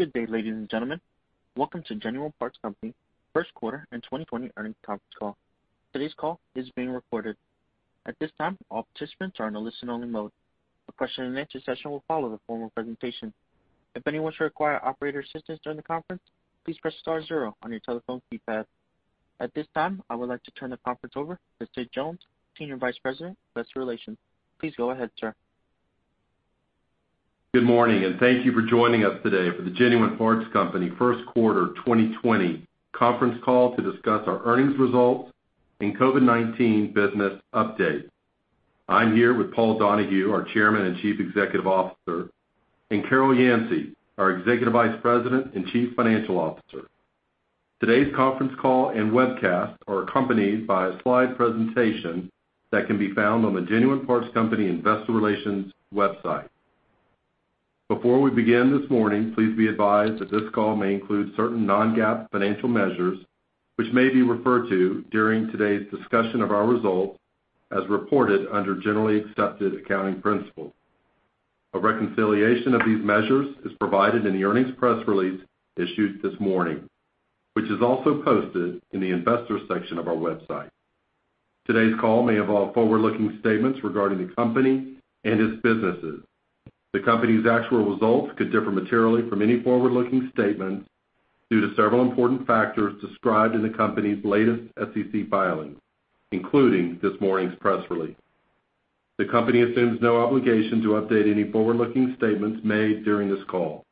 Good day, ladies and gentlemen. Welcome to Genuine Parts Company first quarter and 2020 earnings conference call. Today's call is being recorded. At this time, all participants are in a listen-only mode. A question and answer session will follow the formal presentation. If anyone should require operator assistance during the conference, please press star zero on your telephone keypad. At this time, I would like to turn the conference over to Sid Jones, Senior Vice President, Investor Relations. Please go ahead, sir. Good morning. Thank you for joining us today for the Genuine Parts Company first quarter 2020 conference call to discuss our earnings results and COVID-19 business update. I'm here with Paul Donahue, our Chairman and Chief Executive Officer, and Carol Yancey, our Executive Vice President and Chief Financial Officer. Today's conference call and webcast are accompanied by a slide presentation that can be found on the Genuine Parts Company investor relations website. Before we begin this morning, please be advised that this call may include certain non-GAAP financial measures, which may be referred to during today's discussion of our results as reported under generally accepted accounting principles. A reconciliation of these measures is provided in the earnings press release issued this morning, which is also posted in the investors section of our website. Today's call may involve forward-looking statements regarding the company and its businesses. The company's actual results could differ materially from any forward-looking statements due to several important factors described in the company's latest SEC filings, including this morning's press release. The company assumes no obligation to update any forward-looking statements made during this call.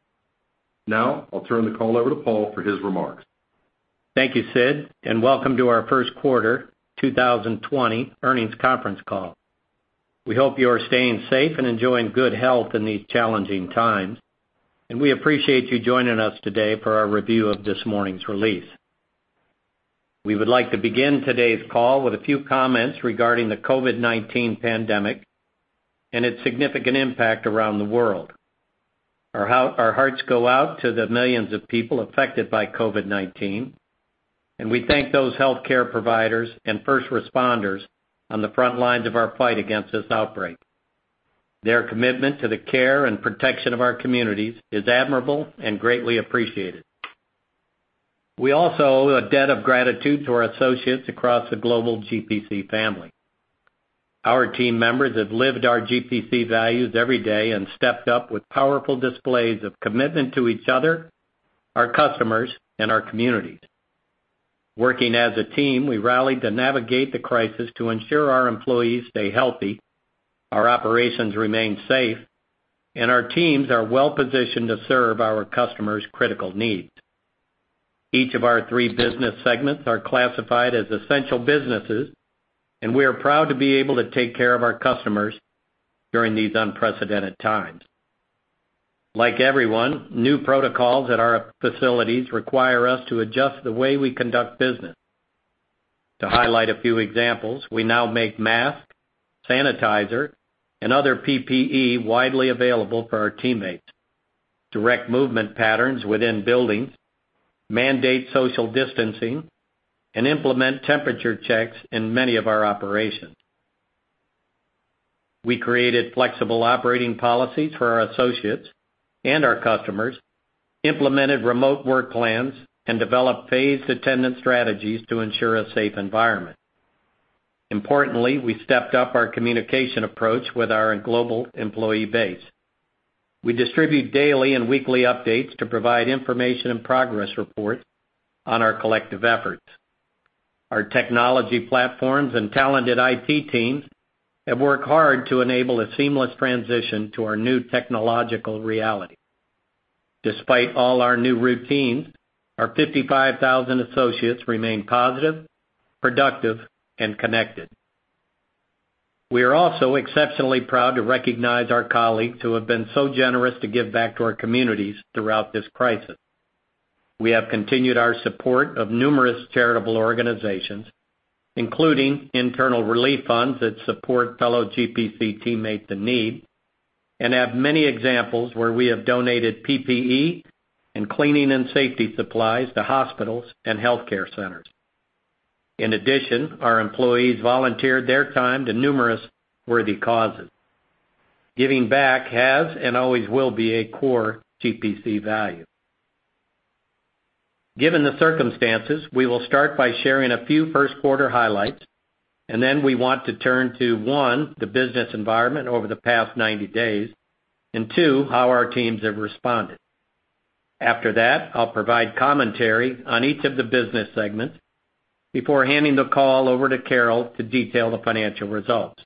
Now, I'll turn the call over to Paul for his remarks. Thank you, Sid, and welcome to our first quarter 2020 earnings conference call. We hope you are staying safe and enjoying good health in these challenging times, and we appreciate you joining us today for our review of this morning's release. We would like to begin today's call with a few comments regarding the COVID-19 pandemic and its significant impact around the world. Our hearts go out to the millions of people affected by COVID-19, and we thank those healthcare providers and first responders on the front lines of our fight against this outbreak. Their commitment to the care and protection of our communities is admirable and greatly appreciated. We also owe a debt of gratitude to our associates across the global GPC family. Our team members have lived our GPC values every day and stepped up with powerful displays of commitment to each other, our customers, and our communities. Working as a team, we rallied to navigate the crisis to ensure our employees stay healthy, our operations remain safe, and our teams are well-positioned to serve our customers' critical needs. Each of our three business segments are classified as essential businesses, and we are proud to be able to take care of our customers during these unprecedented times. Like everyone, new protocols at our facilities require us to adjust the way we conduct business. To highlight a few examples, we now make masks, sanitizer, and other PPE widely available for our teammates, direct movement patterns within buildings, mandate social distancing, and implement temperature checks in many of our operations. We created flexible operating policies for our associates and our customers, implemented remote work plans, and developed phased attendance strategies to ensure a safe environment. Importantly, we stepped up our communication approach with our global employee base. We distribute daily and weekly updates to provide information and progress reports on our collective efforts. Our technology platforms and talented IT teams have worked hard to enable a seamless transition to our new technological reality. Despite all our new routines, our 55,000 associates remain positive, productive, and connected. We are also exceptionally proud to recognize our colleagues who have been so generous to give back to our communities throughout this crisis. We have continued our support of numerous charitable organizations, including internal relief funds that support fellow GPC teammates in need, and have many examples where we have donated PPE and cleaning and safety supplies to hospitals and healthcare centers. In addition, our employees volunteered their time to numerous worthy causes. Giving back has and always will be a core GPC value. Given the circumstances, we will start by sharing a few first quarter highlights, and then we want to turn to, one, the business environment over the past 90 days, and two, how our teams have responded. After that, I'll provide commentary on each of the business segments before handing the call over to Carol to detail the financial results.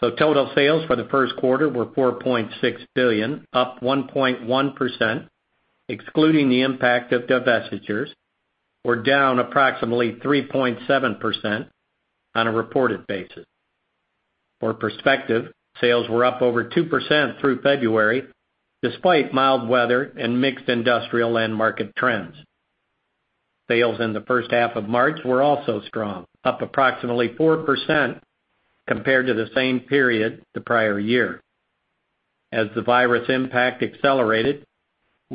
Total sales for the first quarter were $4.6 billion, up 1.1%, excluding the impact of divestitures, or down approximately 3.7% on a reported basis. For perspective, sales were up over 2% through February, despite mild weather and mixed industrial end market trends. Sales in the first half of March were also strong, up approximately 4% compared to the same period the prior year. As the virus impact accelerated,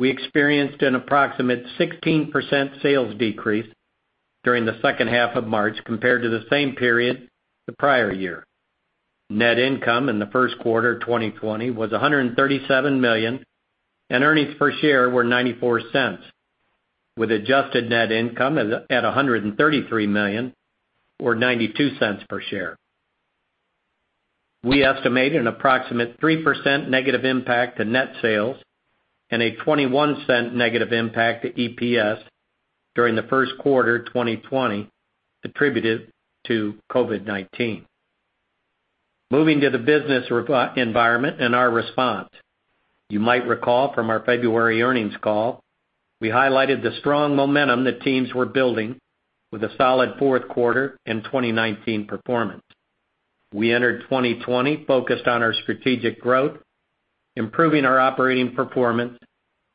we experienced an approximate 16% sales decrease during the second half of March compared to the same period the prior year. Net income in the first quarter 2020 was $137 million, and earnings per share were $0.94, with adjusted net income at $133 million or $0.92 per share. We estimate an approximate 3% negative impact to net sales and a $0.21 negative impact to EPS during the first quarter 2020 attributed to COVID-19. Moving to the business environment and our response. You might recall from our February earnings call, we highlighted the strong momentum that teams were building with a solid fourth quarter in 2019 performance. We entered 2020 focused on our strategic growth, improving our operating performance,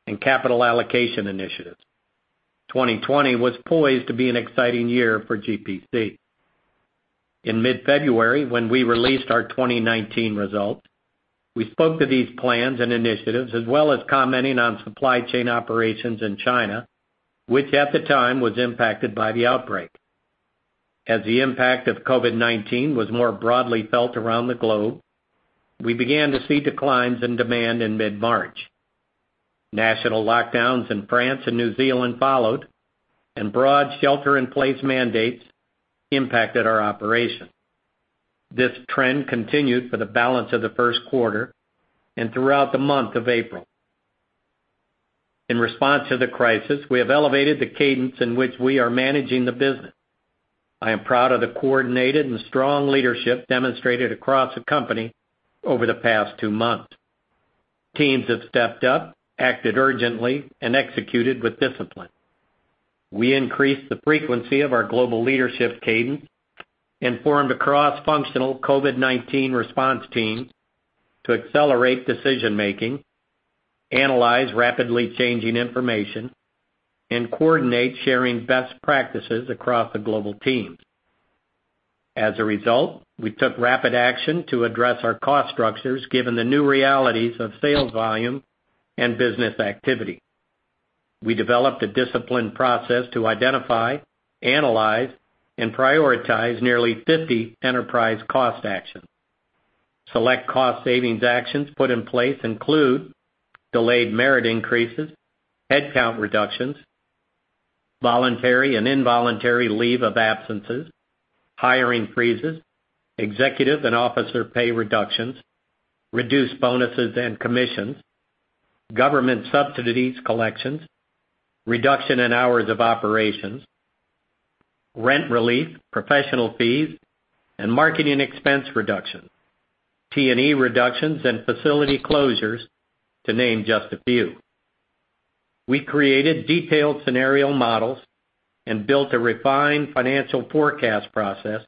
and capital allocation initiatives. 2020 was poised to be an exciting year for GPC. In mid-February, when we released our 2019 results, we spoke to these plans and initiatives, as well as commenting on supply chain operations in China, which at the time was impacted by the outbreak. As the impact of COVID-19 was more broadly felt around the globe, we began to see declines in demand in mid-March. National lockdowns in France and New Zealand followed, and broad shelter-in-place mandates impacted our operations. This trend continued for the balance of the first quarter and throughout the month of April. In response to the crisis, we have elevated the cadence in which we are managing the business. I am proud of the coordinated and strong leadership demonstrated across the company over the past two months. Teams have stepped up, acted urgently, and executed with discipline. We increased the frequency of our global leadership cadence and formed a cross-functional COVID-19 response team to accelerate decision-making, analyze rapidly changing information, and coordinate sharing best practices across the global teams. As a result, we took rapid action to address our cost structures, given the new realities of sales volume and business activity. We developed a disciplined process to identify, analyze, and prioritize nearly 50 enterprise cost actions. Select cost savings actions put in place include delayed merit increases, headcount reductions, voluntary and involuntary leave of absences, hiring freezes, executive and officer pay reductions, reduced bonuses and commissions, government subsidies collections, reduction in hours of operations, rent relief, professional fees, and marketing expense reductions, T&E reductions and facility closures, to name just a few. We created detailed scenario models and built a refined financial forecast process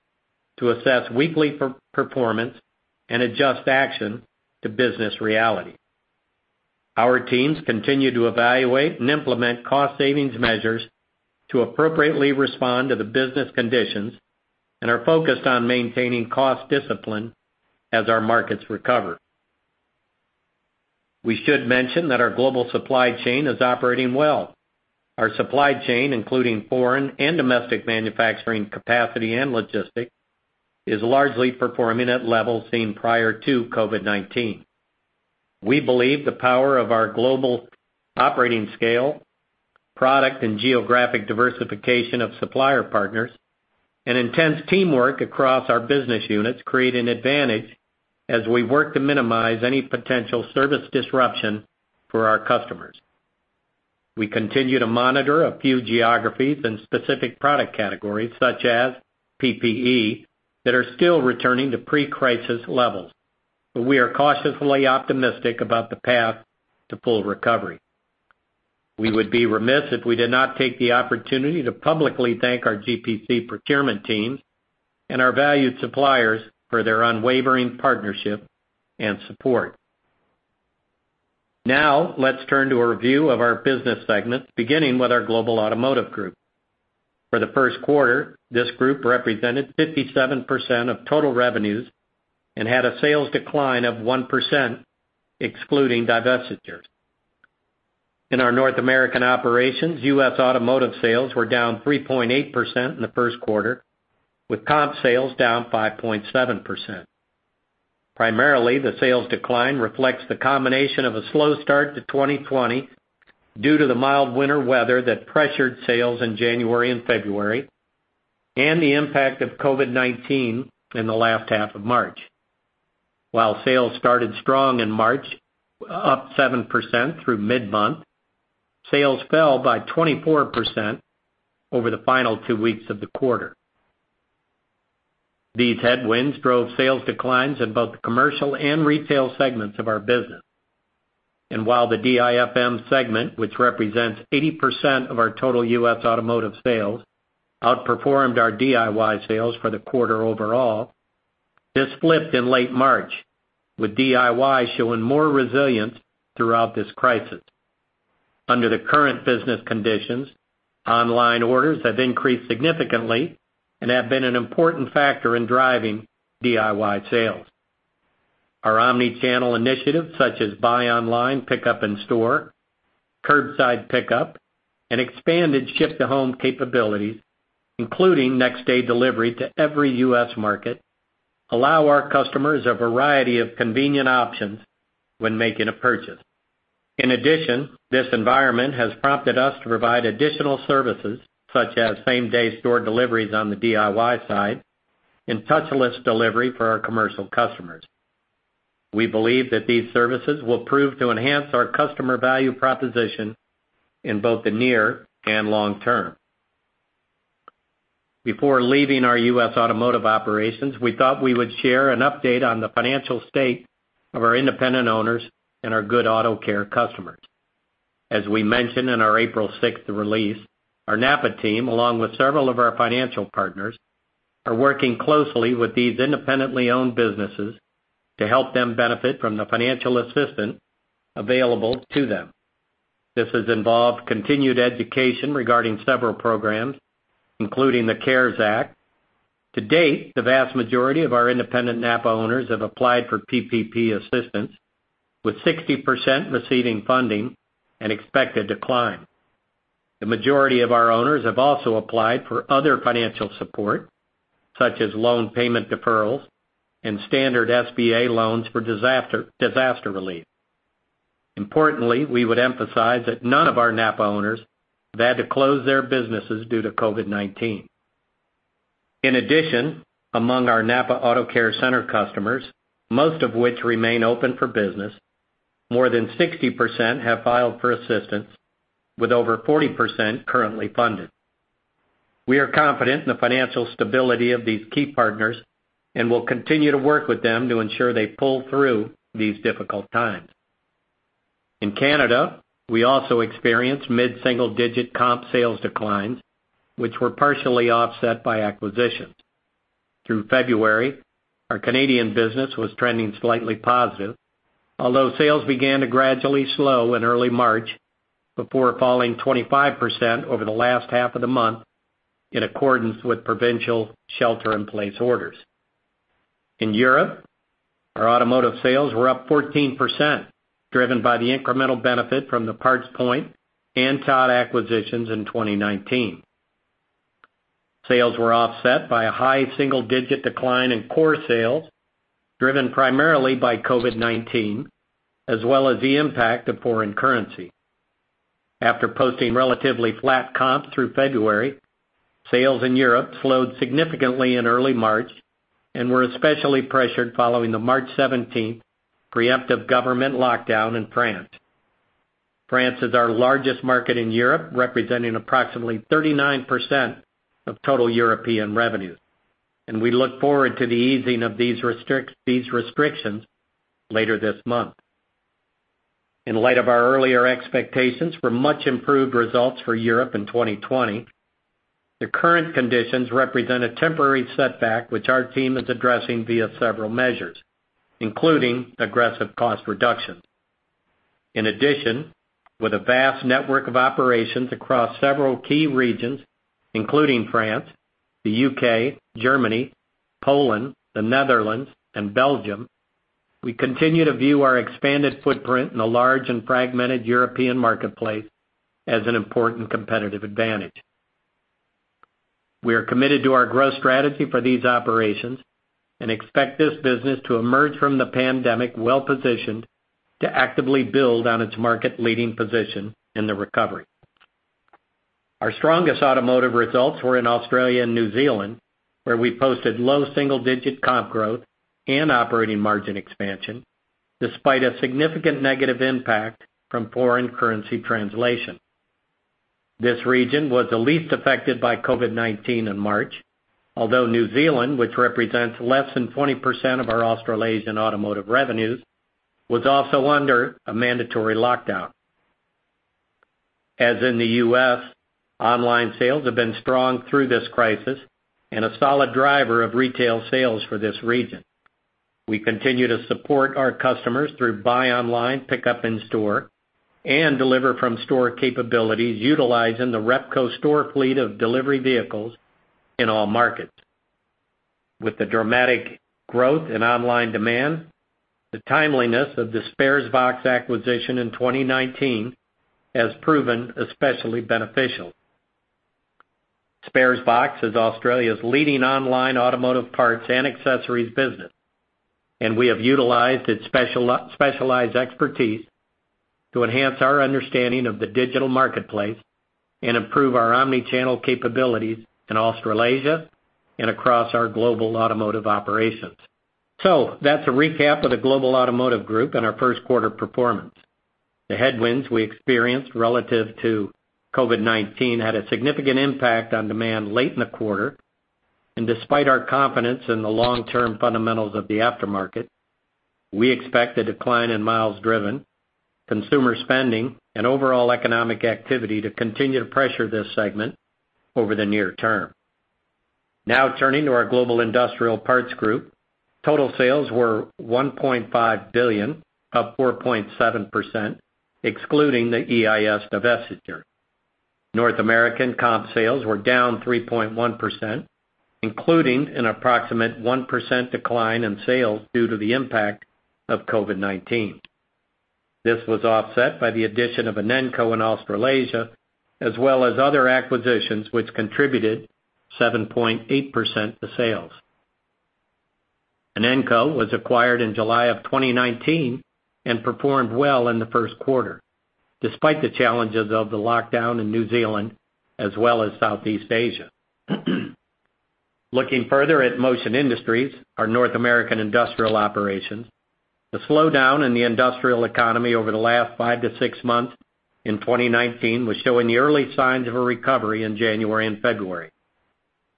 to assess weekly performance and adjust action to business reality. Our teams continue to evaluate and implement cost savings measures to appropriately respond to the business conditions and are focused on maintaining cost discipline as our markets recover. We should mention that our global supply chain is operating well. Our supply chain, including foreign and domestic manufacturing capacity and logistics, is largely performing at levels seen prior to COVID-19. We believe the power of our global operating scale, product and geographic diversification of supplier partners, and intense teamwork across our business units create an advantage as we work to minimize any potential service disruption for our customers. We continue to monitor a few geographies and specific product categories, such as PPE, that are still returning to pre-crisis levels, but we are cautiously optimistic about the path to full recovery. We would be remiss if we did not take the opportunity to publicly thank our GPC procurement teams and our valued suppliers for their unwavering partnership and support. Now, let's turn to a review of our business segments, beginning with our Global Automotive Group. For the first quarter, this group represented 57% of total revenues and had a sales decline of 1%, excluding divestitures. In our North American operations, U.S. automotive sales were down 3.8% in the first quarter, with comp sales down 5.7%. Primarily, the sales decline reflects the combination of a slow start to 2020 due to the mild winter weather that pressured sales in January and February and the impact of COVID-19 in the last half of March. While sales started strong in March, up 7% through mid-month, sales fell by 24% over the final two weeks of the quarter. These headwinds drove sales declines in both the commercial and retail segments of our business. While the DIFM segment, which represents 80% of our total U.S. automotive sales, outperformed our DIY sales for the quarter overall, this flipped in late March, with DIY showing more resilience throughout this crisis. Under the current business conditions, online orders have increased significantly and have been an important factor in driving DIY sales. Our omni-channel initiatives such as buy online, pickup in store, curbside pickup, and expanded ship to home capabilities, including next day delivery to every U.S. market, allow our customers a variety of convenient options when making a purchase. In addition, this environment has prompted us to provide additional services such as same day store deliveries on the DIY side and touchless delivery for our commercial customers. We believe that these services will prove to enhance our customer value proposition in both the near and long term. Before leaving our U.S. automotive operations, we thought we would share an update on the financial state of our independent owners and our good Auto Care customers. As we mentioned in our April 6th release, our NAPA team, along with several of our financial partners, are working closely with these independently owned businesses to help them benefit from the financial assistance available to them. This has involved continued education regarding several programs, including the CARES Act. To date, the vast majority of our independent NAPA owners have applied for PPP assistance, with 60% receiving funding and expected to climb. The majority of our owners have also applied for other financial support, such as loan payment deferrals and standard SBA loans for disaster relief. Importantly, we would emphasize that none of our NAPA owners have had to close their businesses due to COVID-19. In addition, among our NAPA AutoCare Center customers, most of which remain open for business, more than 60% have filed for assistance with over 40% currently funded. We are confident in the financial stability of these key partners and will continue to work with them to ensure they pull through these difficult times. In Canada, we also experienced mid-single-digit comp sales declines, which were partially offset by acquisitions. Through February, our Canadian business was trending slightly positive, although sales began to gradually slow in early March before falling 25% over the last half of the month in accordance with provincial shelter in place orders. In Europe, our automotive sales were up 14%, driven by the incremental benefit from the PartsPoint and Todd acquisitions in 2019. Sales were offset by a high single-digit decline in core sales, driven primarily by COVID-19, as well as the impact of foreign currency. After posting relatively flat comps through February, sales in Europe slowed significantly in early March and were especially pressured following the March 17th preemptive government lockdown in France. France is our largest market in Europe, representing approximately 39% of total European revenues, and we look forward to the easing of these restrictions later this month. In light of our earlier expectations for much improved results for Europe in 2020, the current conditions represent a temporary setback, which our team is addressing via several measures, including aggressive cost reductions. In addition, with a vast network of operations across several key regions, including France, the U.K., Germany, Poland, the Netherlands, and Belgium, we continue to view our expanded footprint in the large and fragmented European marketplace as an important competitive advantage. We are committed to our growth strategy for these operations and expect this business to emerge from the pandemic well-positioned to actively build on its market-leading position in the recovery. Our strongest automotive results were in Australia and New Zealand, where we posted low single-digit comp growth and operating margin expansion, despite a significant negative impact from foreign currency translation. This region was the least affected by COVID-19 in March, although New Zealand, which represents less than 20% of our Australasian automotive revenues, was also under a mandatory lockdown. As in the U.S., online sales have been strong through this crisis and a solid driver of retail sales for this region. We continue to support our customers through buy online, pickup in store, and deliver from store capabilities, utilizing the Repco store fleet of delivery vehicles in all markets. With the dramatic growth in online demand, the timeliness of the Sparesbox acquisition in 2019 has proven especially beneficial. Sparesbox is Australia's leading online automotive parts and accessories business, and we have utilized its specialized expertise to enhance our understanding of the digital marketplace and improve our omni-channel capabilities in Australasia and across our global automotive operations. That's a recap of the Global Automotive Group and our first quarter performance. The headwinds we experienced relative to COVID-19 had a significant impact on demand late in the quarter, despite our confidence in the long-term fundamentals of the aftermarket, we expect a decline in miles driven, consumer spending, and overall economic activity to continue to pressure this segment over the near term. Turning to our Global Industrial Parts Group. Total sales were $1.5 billion, up 4.7%, excluding the EIS divestiture. North American comp sales were down 3.1%, including an approximate 1% decline in sales due to the impact of COVID-19. This was offset by the addition of Inenco in Australasia, as well as other acquisitions which contributed 7.8% to sales. Inenco was acquired in July of 2019 and performed well in the first quarter, despite the challenges of the lockdown in New Zealand as well as Southeast Asia. Looking further at Motion Industries, our North American industrial operations, the slowdown in the industrial economy over the last five to six months in 2019 was showing the early signs of a recovery in January and February.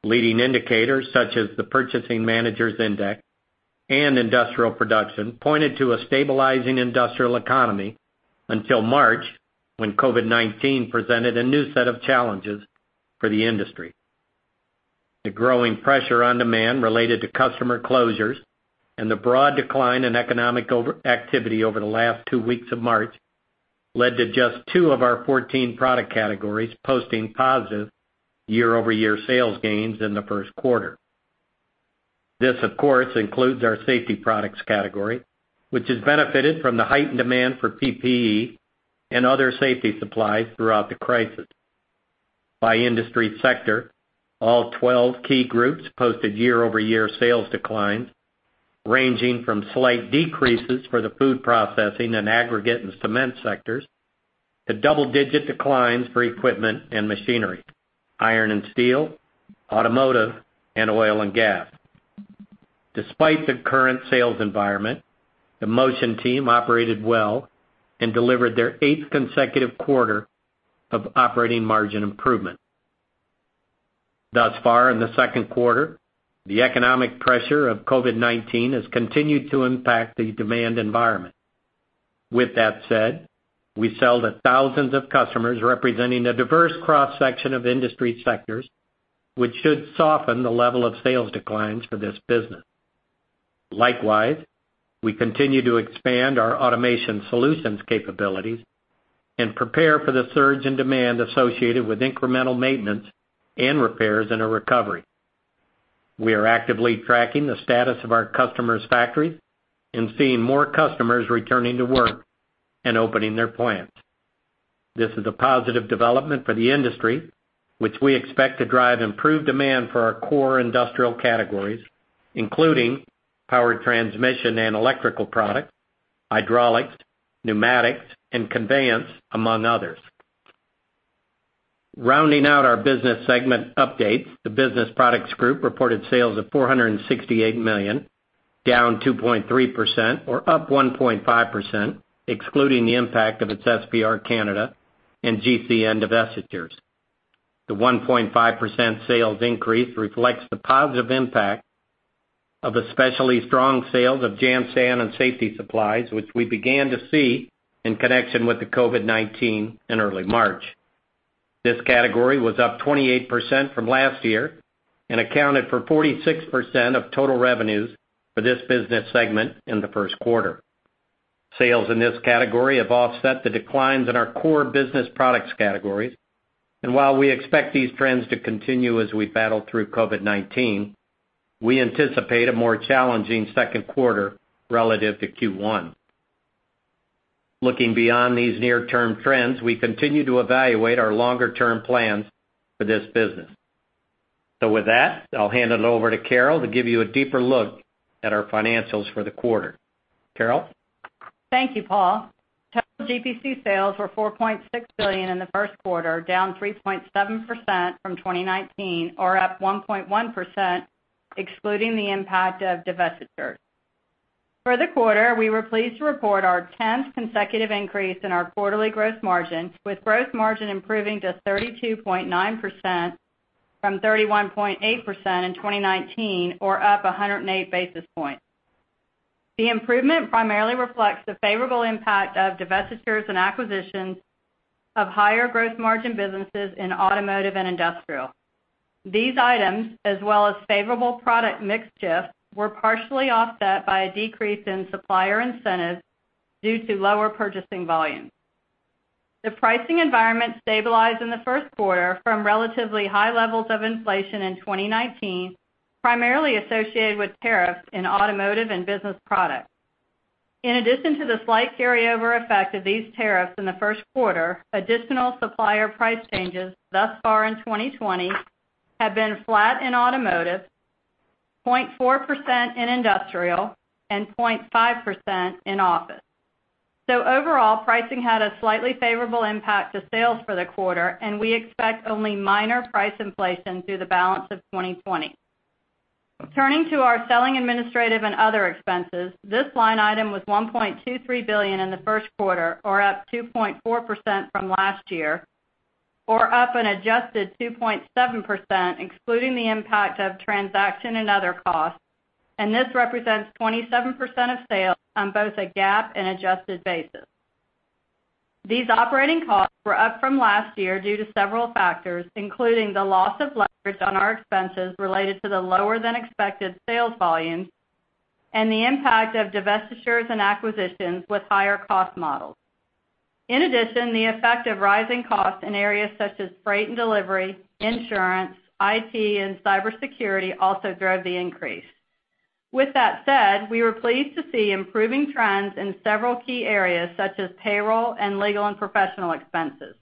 Leading indicators such as the Purchasing Managers Index and industrial production pointed to a stabilizing industrial economy until March, when COVID-19 presented a new set of challenges for the industry. The growing pressure on demand related to customer closures and the broad decline in economic activity over the last two weeks of March led to just two of our 14 product categories posting positive year-over-year sales gains in the first quarter. This, of course, includes our safety products category, which has benefited from the heightened demand for PPE and other safety supplies throughout the crisis. By industry sector, all 12 key groups posted year-over-year sales declines, ranging from slight decreases for the food processing and aggregate and cement sectors to double-digit declines for equipment and machinery, iron and steel, automotive, and oil and gas. Despite the current sales environment, the Motion team operated well and delivered their eighth consecutive quarter of operating margin improvement. Thus far in the second quarter, the economic pressure of COVID-19 has continued to impact the demand environment. With that said, we sell to thousands of customers representing a diverse cross-section of industry sectors, which should soften the level of sales declines for this business. Likewise, we continue to expand our automation solutions capabilities and prepare for the surge in demand associated with incremental maintenance and repairs in a recovery. We are actively tracking the status of our customers' factories and seeing more customers returning to work and opening their plants. This is a positive development for the industry, which we expect to drive improved demand for our core industrial categories, including power transmission and electrical products, hydraulics, pneumatics, and conveyance, among others. Rounding out our business segment updates, the Business Products Group reported sales of $468 million, down 2.3%, or up 1.5%, excluding the impact of its SPR Canada and GCN divestitures. The 1.5% sales increase reflects the positive impact of especially strong sales of jan/san and safety supplies, which we began to see in connection with the COVID-19 in early March. This category was up 28% from last year and accounted for 46% of total revenues for this business segment in the first quarter. Sales in this category have offset the declines in our core business products categories. While we expect these trends to continue as we battle through COVID-19, we anticipate a more challenging second quarter relative to Q1. Looking beyond these near-term trends, we continue to evaluate our longer-term plans for this business. With that, I'll hand it over to Carol to give you a deeper look at our financials for the quarter. Carol? Thank you, Paul. Total GPC sales were $4.6 billion in the first quarter, down 3.7% from 2019 or up 1.1% excluding the impact of divestitures. For the quarter, we were pleased to report our 10th consecutive increase in our quarterly gross margin, with gross margin improving to 32.9% from 31.8% in 2019, or up 108 basis points. The improvement primarily reflects the favorable impact of divestitures and acquisitions of higher gross margin businesses in automotive and industrial. These items, as well as favorable product mix shifts, were partially offset by a decrease in supplier incentives due to lower purchasing volumes. The pricing environment stabilized in the first quarter from relatively high levels of inflation in 2019, primarily associated with tariffs in automotive and business products. In addition to the slight carryover effect of these tariffs in the first quarter, additional supplier price changes thus far in 2020 have been flat in automotive, 0.4% in industrial, and 0.5% in office. Overall, pricing had a slightly favorable impact to sales for the quarter, and we expect only minor price inflation through the balance of 2020. Turning to our Selling, Administrative and Other Expenses, this line item was $1.23 billion in the first quarter, or up 2.4% from last year, or up an adjusted 2.7%, excluding the impact of transaction and other costs, and this represents 27% of sales on both a GAAP and adjusted basis. These operating costs were up from last year due to several factors, including the loss of leverage on our expenses related to the lower-than-expected sales volumes, and the impact of divestitures and acquisitions with higher cost models. In addition, the effect of rising costs in areas such as freight and delivery, insurance, IT, and cybersecurity also drove the increase. With that said, we were pleased to see improving trends in several key areas such as payroll and legal and professional expenses.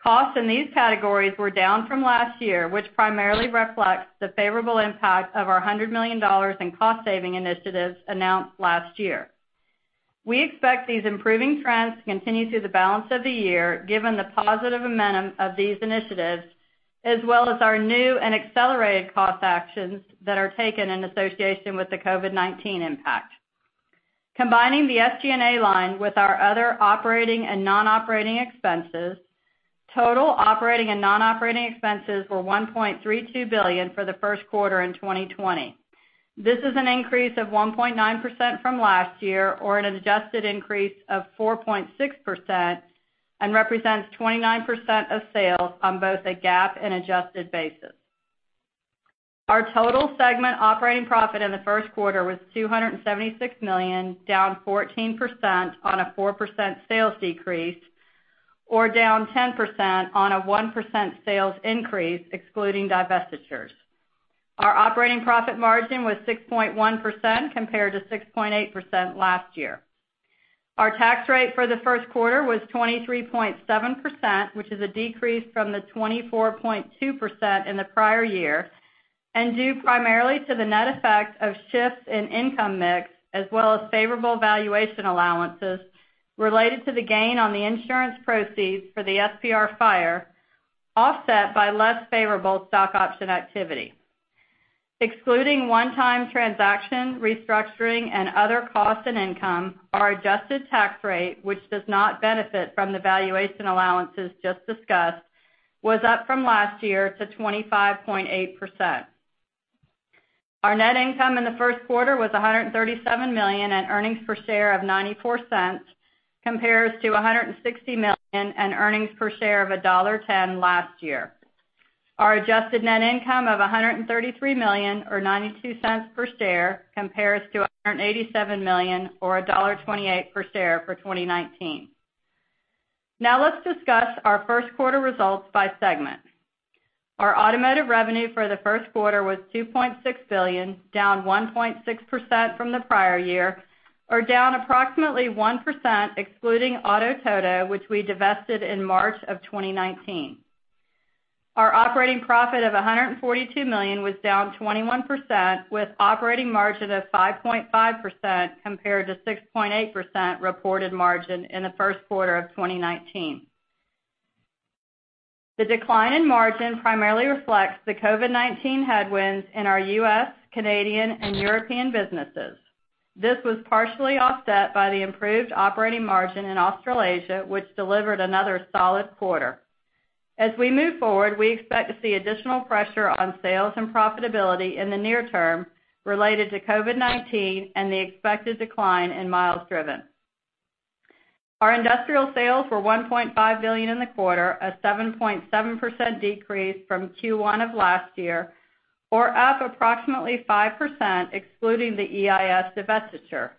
Costs in these categories were down from last year, which primarily reflects the favorable impact of our $100 million in cost-saving initiatives announced last year. We expect these improving trends to continue through the balance of the year, given the positive momentum of these initiatives, as well as our new and accelerated cost actions that are taken in association with the COVID-19 impact. Combining the SG&A line with our other operating and non-operating expenses, total operating and non-operating expenses were $1.32 billion for the first quarter in 2020. This is an increase of 1.9% from last year or an adjusted increase of 4.6% and represents 29% of sales on both a GAAP and adjusted basis. Our total segment operating profit in the first quarter was $276 million, down 14% on a 4% sales decrease or down 10% on a 1% sales increase excluding divestitures. Our operating profit margin was 6.1% compared to 6.8% last year. Our tax rate for the first quarter was 23.7%, which is a decrease from the 24.2% in the prior year and due primarily to the net effect of shifts in income mix as well as favorable valuation allowances related to the gain on the insurance proceeds for the SPR fire, offset by less favorable stock option activity, our tax rate for the first quarter was 23.7%, which is a decrease from the 24.2% in the prior year. Excluding one-time transaction, restructuring, and other costs and income, our adjusted tax rate, which does not benefit from the valuation allowances just discussed, was up from last year to 25.8%. Our net income in the first quarter was $137 million and earnings per share of $0.94 compares to $160 million and earnings per share of $1.10 last year. Our adjusted net income of $133 million or $0.92 per share compares to $187 million or $1.28 per share for 2019. Let's discuss our first quarter results by segment. Our automotive revenue for the first quarter was $2.6 billion, down 1.6% from the prior year or down approximately 1% excluding Auto-Todo, which we divested in March of 2019. Our operating profit of $142 million was down 21% with operating margin of 5.5% compared to 6.8% reported margin in the first quarter of 2019. The decline in margin primarily reflects the COVID-19 headwinds in our U.S., Canadian, and European businesses. This was partially offset by the improved operating margin in Australasia, which delivered another solid quarter. As we move forward, we expect to see additional pressure on sales and profitability in the near term related to COVID-19 and the expected decline in miles driven. Our industrial sales were $1.5 billion in the quarter, a 7.7% decrease from Q1 of last year or up approximately 5% excluding the EIS divestiture.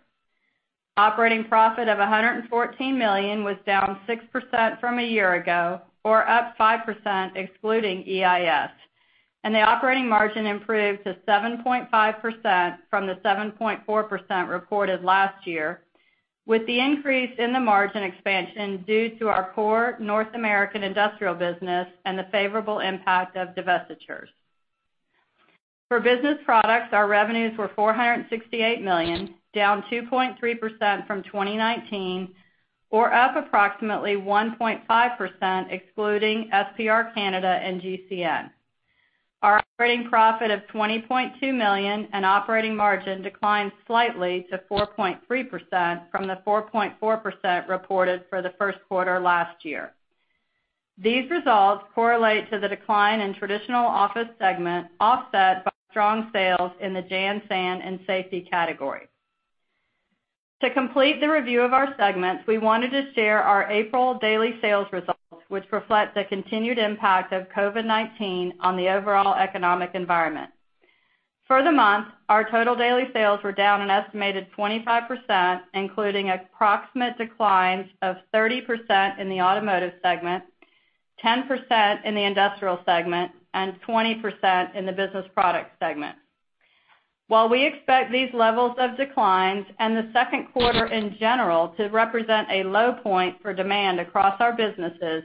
Operating profit of $114 million was down 6% from a year ago or up 5% excluding EIS, and the operating margin improved to 7.5% from the 7.4% reported last year with the increase in the margin expansion due to our core North American industrial business and the favorable impact of divestitures. For Business Products, our revenues were $468 million, down 2.3% from 2019 or up approximately 1.5% excluding SPR Canada and GCN. Our operating profit of $20.2 million and operating margin declined slightly to 4.3% from the 4.4% reported for the first quarter last year. These results correlate to the decline in traditional office segment offset by strong sales in the jan/san and safety category. To complete the review of our segments, we wanted to share our April daily sales results, which reflect the continued impact of COVID-19 on the overall economic environment. For the month, our total daily sales were down an estimated 25%, including approximate declines of 30% in the Automotive Segment, 10% in the Industrial Segment, and 20% in the Business Product Segment. While we expect these levels of declines and the second quarter in general to represent a low point for demand across our businesses,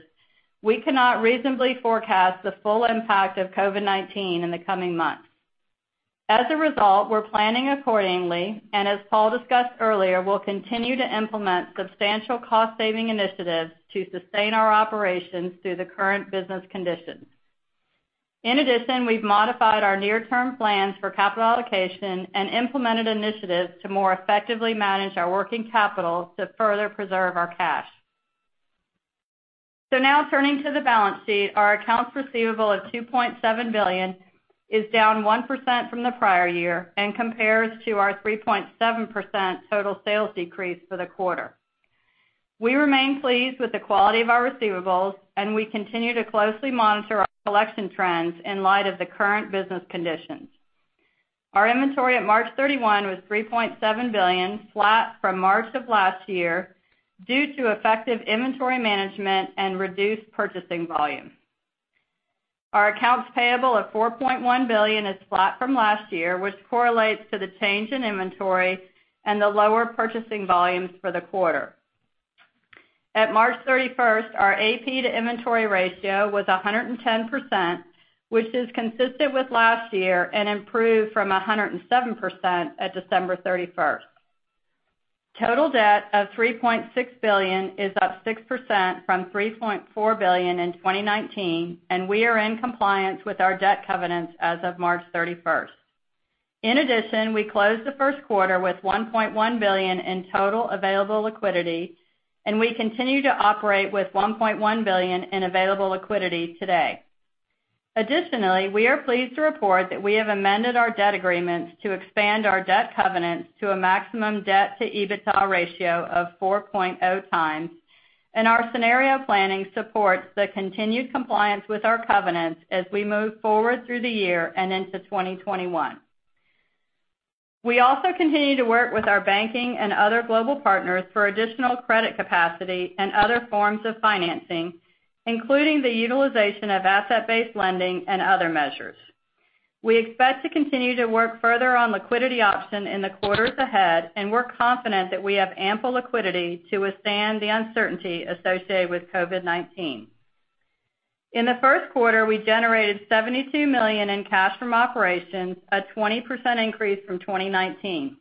we cannot reasonably forecast the full impact of COVID-19 in the coming months. We're planning accordingly, and as Paul discussed earlier, we'll continue to implement substantial cost-saving initiatives to sustain our operations through the current business conditions. We've modified our near-term plans for capital allocation and implemented initiatives to more effectively manage our working capital to further preserve our cash. Now turning to the balance sheet, our accounts receivable of $2.7 billion is down 1% from the prior year and compares to our 3.7% total sales decrease for the quarter. We remain pleased with the quality of our receivables, and we continue to closely monitor our collection trends in light of the current business conditions. Our inventory at March 31 was $3.7 billion, flat from March of last year due to effective inventory management and reduced purchasing volume. Our accounts payable of $4.1 billion is flat from last year, which correlates to the change in inventory and the lower purchasing volumes for the quarter. At March 31st, our AP to inventory ratio was 110%, which is consistent with last year and improved from 107% at December 31st. Total debt of $3.6 billion is up 6% from $3.4 billion in 2019. We are in compliance with our debt covenants as of March 31st. In addition, we closed the first quarter with $1.1 billion in total available liquidity. We continue to operate with $1.1 billion in available liquidity today. Additionally, we are pleased to report that we have amended our debt agreements to expand our debt covenants to a maximum debt-to-EBITDA ratio of 4.0 times, and our scenario planning supports the continued compliance with our covenants as we move forward through the year and into 2021. We also continue to work with our banking and other global partners for additional credit capacity and other forms of financing, including the utilization of asset-based lending and other measures. We expect to continue to work further on liquidity option in the quarters ahead, and we're confident that we have ample liquidity to withstand the uncertainty associated with COVID-19. In the first quarter, we generated $72 million in cash from operations, a 20% increase from 2019.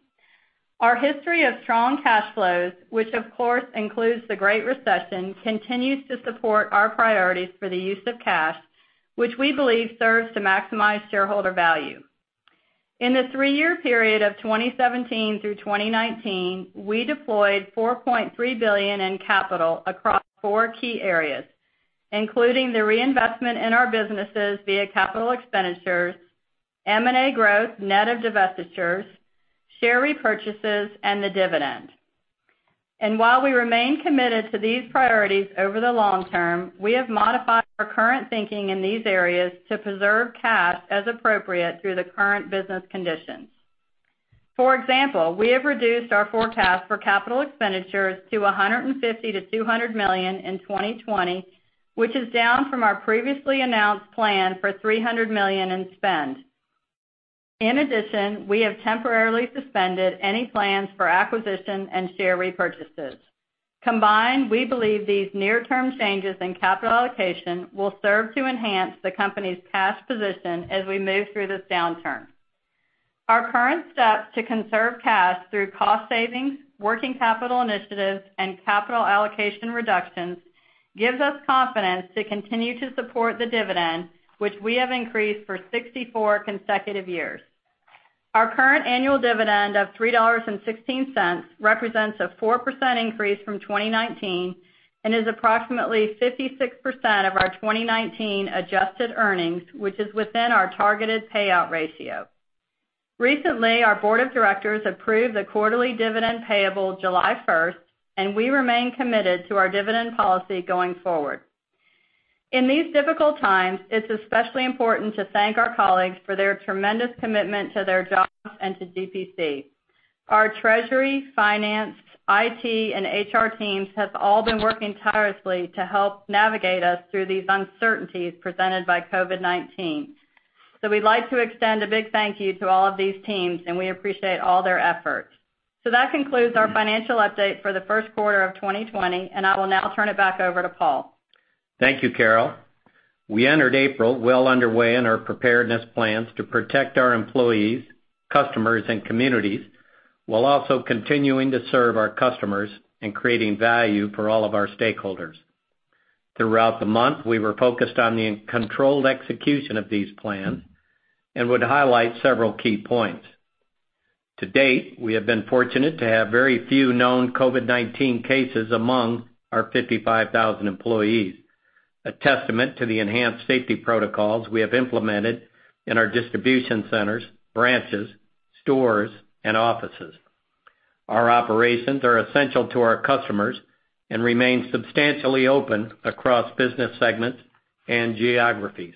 Our history of strong cash flows, which of course includes the Great Recession, continues to support our priorities for the use of cash, which we believe serves to maximize shareholder value. In the three-year period of 2017 through 2019, we deployed $4.3 billion in capital across four key areas, including the reinvestment in our businesses via capital expenditures, M&A growth net of divestitures, share repurchases, and the dividend. While we remain committed to these priorities over the long term, we have modified our current thinking in these areas to preserve cash as appropriate through the current business conditions. For example, we have reduced our forecast for capital expenditures to $150 million-$200 million in 2020, which is down from our previously announced plan for $300 million in spend. In addition, we have temporarily suspended any plans for acquisition and share repurchases. Combined, we believe these near-term changes in capital allocation will serve to enhance the company's cash position as we move through this downturn. Our current steps to conserve cash through cost savings, working capital initiatives, and capital allocation reductions gives us confidence to continue to support the dividend, which we have increased for 64 consecutive years. Our current annual dividend of $3.16 represents a 4% increase from 2019 and is approximately 56% of our 2019 adjusted earnings, which is within our targeted payout ratio. Recently, our board of directors approved the quarterly dividend payable July 1st, and we remain committed to our dividend policy going forward. In these difficult times, it's especially important to thank our colleagues for their tremendous commitment to their jobs and to GPC. Our treasury, finance, IT, and HR teams have all been working tirelessly to help navigate us through these uncertainties presented by COVID-19. We'd like to extend a big thank you to all of these teams, and we appreciate all their efforts. That concludes our financial update for the first quarter of 2020, and I will now turn it back over to Paul. Thank you, Carol. We entered April well underway in our preparedness plans to protect our employees, customers, and communities while also continuing to serve our customers and creating value for all of our stakeholders. Throughout the month, we were focused on the controlled execution of these plans and would highlight several key points. To date, we have been fortunate to have very few known COVID-19 cases among our 55,000 employees, a testament to the enhanced safety protocols we have implemented in our distribution centers, branches, stores, and offices. Our operations are essential to our customers and remain substantially open across business segments and geographies.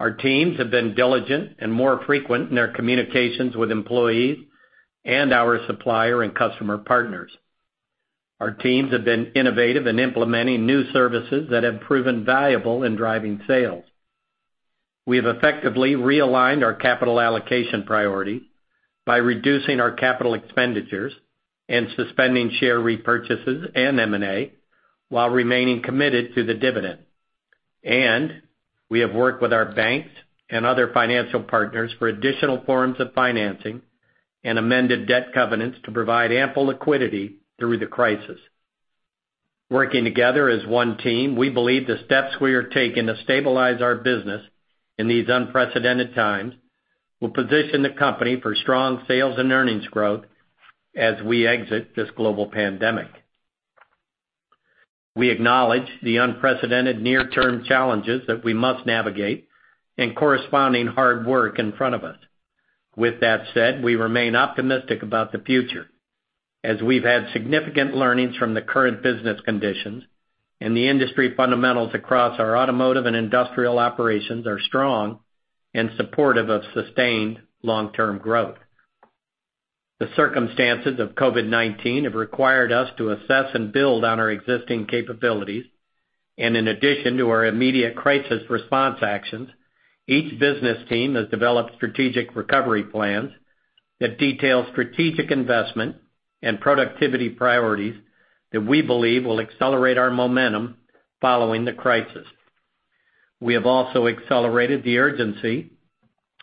Our teams have been diligent and more frequent in their communications with employees and our supplier and customer partners. Our teams have been innovative in implementing new services that have proven valuable in driving sales. We have effectively realigned our capital allocation priority by reducing our capital expenditures and suspending share repurchases and M&A while remaining committed to the dividend. We have worked with our banks and other financial partners for additional forms of financing and amended debt covenants to provide ample liquidity through the crisis. Working together as one team, we believe the steps we are taking to stabilize our business in these unprecedented times will position the company for strong sales and earnings growth as we exit this global pandemic. We acknowledge the unprecedented near-term challenges that we must navigate and corresponding hard work in front of us. With that said, we remain optimistic about the future, as we've had significant learnings from the current business conditions, and the industry fundamentals across our automotive and industrial operations are strong and supportive of sustained long-term growth. The circumstances of COVID-19 have required us to assess and build on our existing capabilities. In addition to our immediate crisis response actions, each business team has developed strategic recovery plans that detail strategic investment and productivity priorities that we believe will accelerate our momentum following the crisis. We have also accelerated the urgency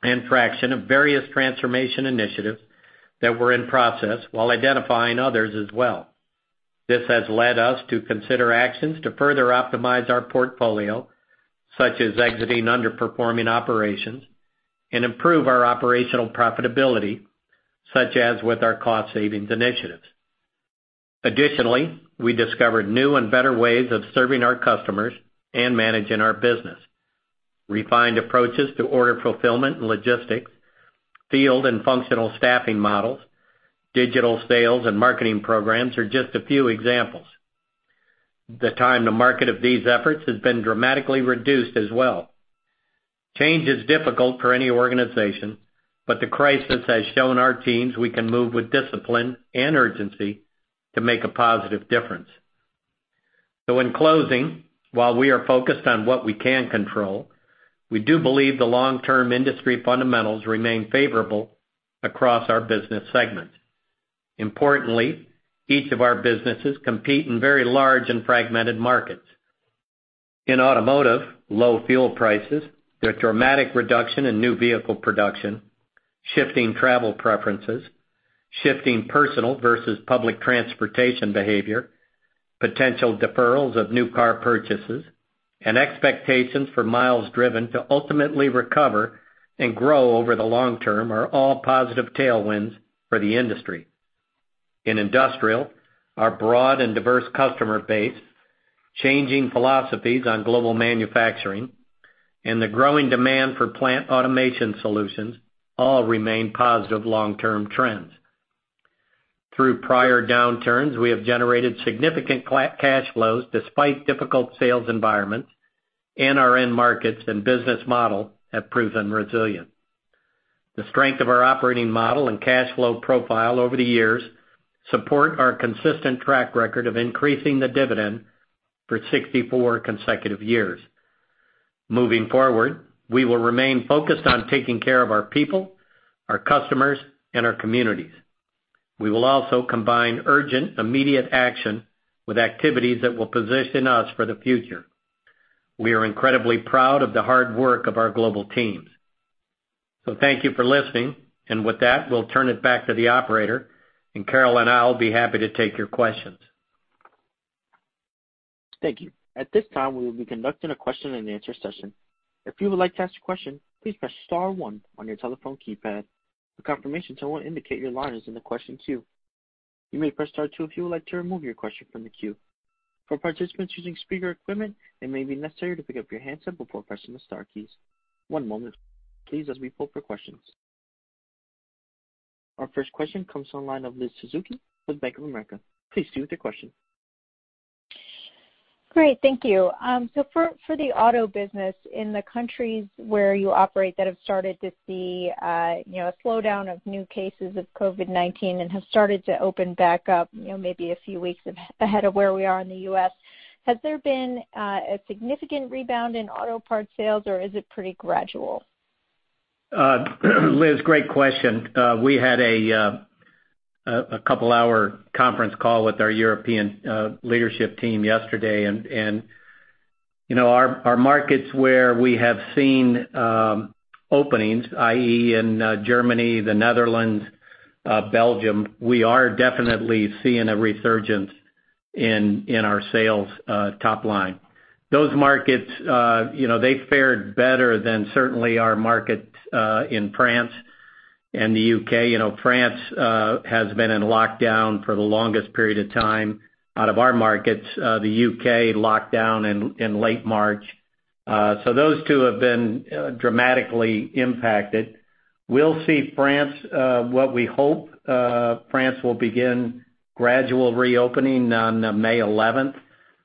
and fraction of various transformation initiatives that were in process while identifying others as well. This has led us to consider actions to further optimize our portfolio, such as exiting underperforming operations and improve our operational profitability, such as with our cost savings initiatives. Additionally, we discovered new and better ways of serving our customers and managing our business. Refined approaches to order fulfillment and logistics, field and functional staffing models, digital sales, and marketing programs are just a few examples. The time to market of these efforts has been dramatically reduced as well. Change is difficult for any organization, but the crisis has shown our teams we can move with discipline and urgency to make a positive difference. In closing, while we are focused on what we can control, we do believe the long-term industry fundamentals remain favorable across our business segments. Importantly, each of our businesses compete in very large and fragmented markets. In automotive, low fuel prices, the dramatic reduction in new vehicle production, shifting travel preferences, shifting personal versus public transportation behavior, potential deferrals of new car purchases, and expectations for miles driven to ultimately recover and grow over the long term are all positive tailwinds for the industry. In industrial, our broad and diverse customer base, changing philosophies on global manufacturing, and the growing demand for plant automation solutions all remain positive long-term trends. Through prior downturns, we have generated significant cash flows despite difficult sales environments, and our end markets and business model have proven resilient. The strength of our operating model and cash flow profile over the years support our consistent track record of increasing the dividend for 64 consecutive years. Moving forward, we will remain focused on taking care of our people, our customers, and our communities. We will also combine urgent, immediate action with activities that will position us for the future. We are incredibly proud of the hard work of our global teams. Thank you for listening. With that, we'll turn it back to the operator, and Carol and I will be happy to take your questions. Thank you. At this time, we will be conducting a question-and-answer session. If you would like to ask a question, please press star one on your telephone keypad. For confirmation, someone will indicate your line is in the question queue. You may press star two if you would like to remove your question from the queue. For participants using speaker equipment, it may be necessary to pick up your handset before pressing the star keys. One moment please as we pull for questions. Our first question comes on the line of Liz Suzuki with Bank of America. Please proceed with your question. Great. Thank you. For the auto business in the countries where you operate that have started to see a slowdown of new cases of COVID-19 and have started to open back up maybe a few weeks ahead of where we are in the U.S., has there been a significant rebound in auto parts sales or is it pretty gradual? Liz, great question. We had a couple-hour conference call with our European leadership team yesterday. Our markets where we have seen openings, i.e., in Germany, the Netherlands, Belgium, we are definitely seeing a resurgence in our sales top line. Those markets fared better than certainly our markets in France and the U.K. France has been in lockdown for the longest period of time out of our markets. The U.K. locked down in late March. Those two have been dramatically impacted. We'll see what we hope France will begin gradual reopening on May 11th.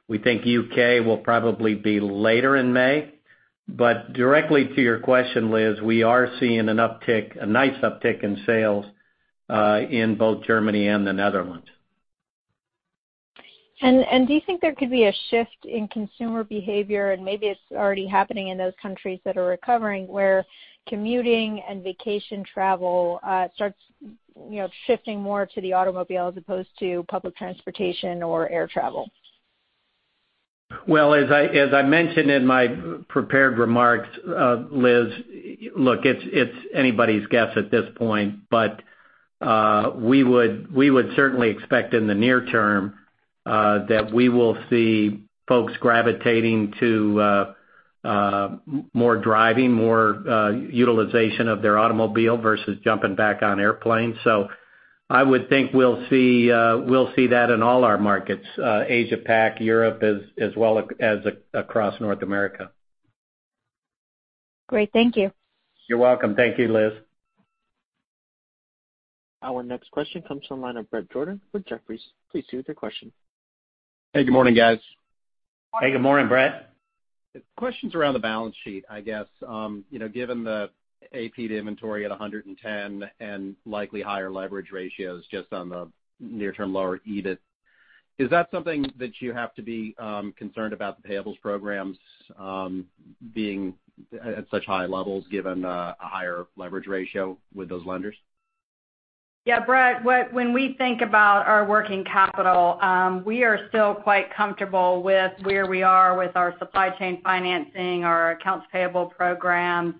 We think U.K. will probably be later in May. Directly to your question, Liz, we are seeing a nice uptick in sales in both Germany and the Netherlands. Do you think there could be a shift in consumer behavior? Maybe it's already happening in those countries that are recovering where commuting and vacation travel starts shifting more to the automobile as opposed to public transportation or air travel. Well, as I mentioned in my prepared remarks, Liz, look, it's anybody's guess at this point, but we would certainly expect in the near term that we will see folks gravitating to more driving, more utilization of their automobile versus jumping back on airplanes. I would think we'll see that in all our markets, Asia Pac, Europe, as well as across North America. Great. Thank you. You're welcome. Thank you, Liz. Our next question comes from the line of Bret Jordan with Jefferies. Please proceed with your question. Hey, good morning, guys. Hey, good morning, Bret. Question's around the balance sheet, I guess. Given the AP to inventory at 110 and likely higher leverage ratios just on the near term, lower EBIT, is that something that you have to be concerned about the payables programs being at such high levels given a higher leverage ratio with those lenders? Yeah, Bret, when we think about our working capital, we are still quite comfortable with where we are with our supply chain financing, our accounts payable programs,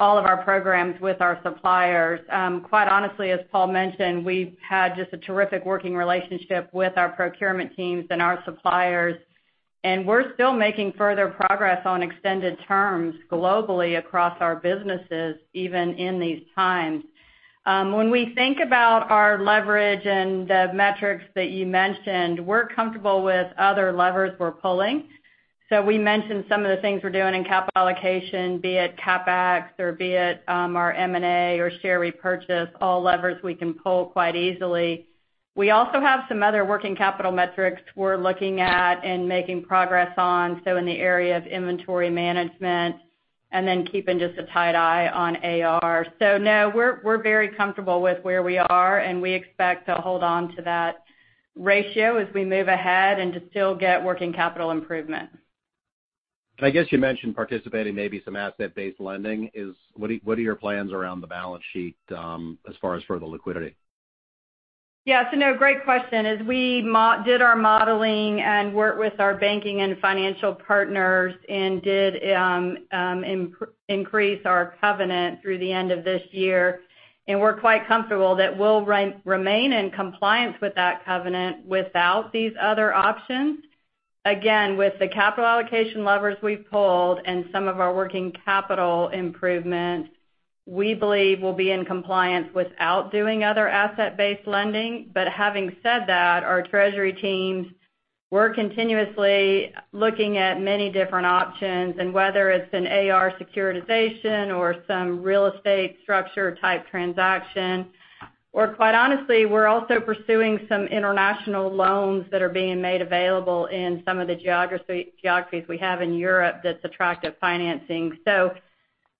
and all of our programs with our suppliers. Quite honestly, as Paul mentioned, we've had just a terrific working relationship with our procurement teams and our suppliers, and we're still making further progress on extended terms globally across our businesses, even in these times. When we think about our leverage and the metrics that you mentioned, we're comfortable with other levers we're pulling. We mentioned some of the things we're doing in capital allocation, be it CapEx or be it our M&A or share repurchase, all levers we can pull quite easily. We also have some other working capital metrics we're looking at and making progress on. In the area of inventory management and then keeping just a tight eye on AR. No, we're very comfortable with where we are, and we expect to hold on to that ratio as we move ahead and to still get working capital improvement. I guess you mentioned participating, maybe some asset-based lending. What are your plans around the balance sheet as far as for the liquidity? Yeah. No, great question. As we did our modeling and worked with our banking and financial partners and did increase our covenant through the end of this year, we're quite comfortable that we'll remain in compliance with that covenant without these other options. Again, with the capital allocation levers we've pulled and some of our working capital improvement, we believe we'll be in compliance without doing other asset-based lending. Having said that, our treasury teams, we're continuously looking at many different options and whether it's an AR securitization or some real estate structure type transaction, or quite honestly, we're also pursuing some international loans that are being made available in some of the geographies we have in Europe that's attractive financing.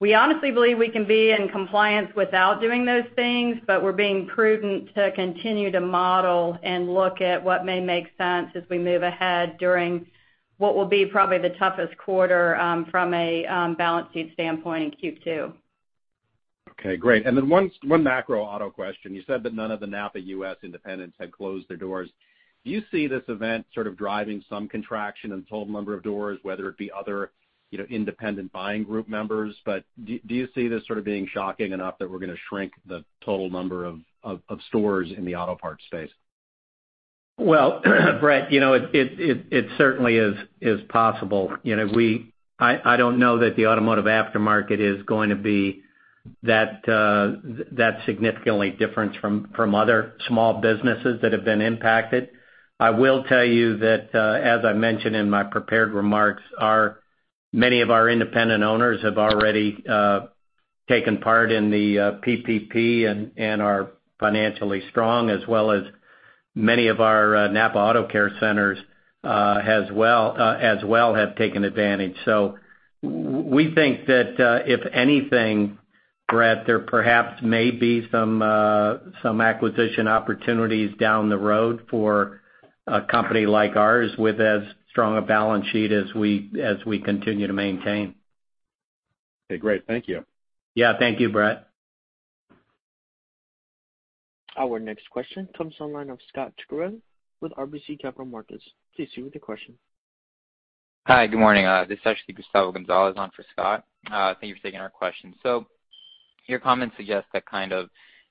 We honestly believe we can be in compliance without doing those things, but we're being prudent to continue to model and look at what may make sense as we move ahead during what will be probably the toughest quarter, from a balance sheet standpoint in Q2. Okay, great. One macro auto question. You said that none of the NAPA U.S. independents had closed their doors. Do you see this event sort of driving some contraction in total number of doors, whether it be other independent buying group members, but do you see this sort of being shocking enough that we're going to shrink the total number of stores in the auto parts space? Well, Bret it certainly is possible. I don't know that the automotive aftermarket is going to be that significantly different from other small businesses that have been impacted. I will tell you that, as I mentioned in my prepared remarks, many of our independent owners have already taken part in the PPP and are financially strong, as well as many of our NAPA AutoCare Centers as well have taken advantage. We think that, if anything, Bret, there perhaps may be some acquisition opportunities down the road for a company like ours with as strong a balance sheet as we continue to maintain. Okay, great. Thank you. Yeah. Thank you, Bret. Our next question comes from the line of Scot Ciccarelli with RBC Capital Markets. Please proceed with your question. Hi. Good morning. This is actually Gustavo Gonzalez on for Scot. Thank you for taking our question. Your comments suggest that kind of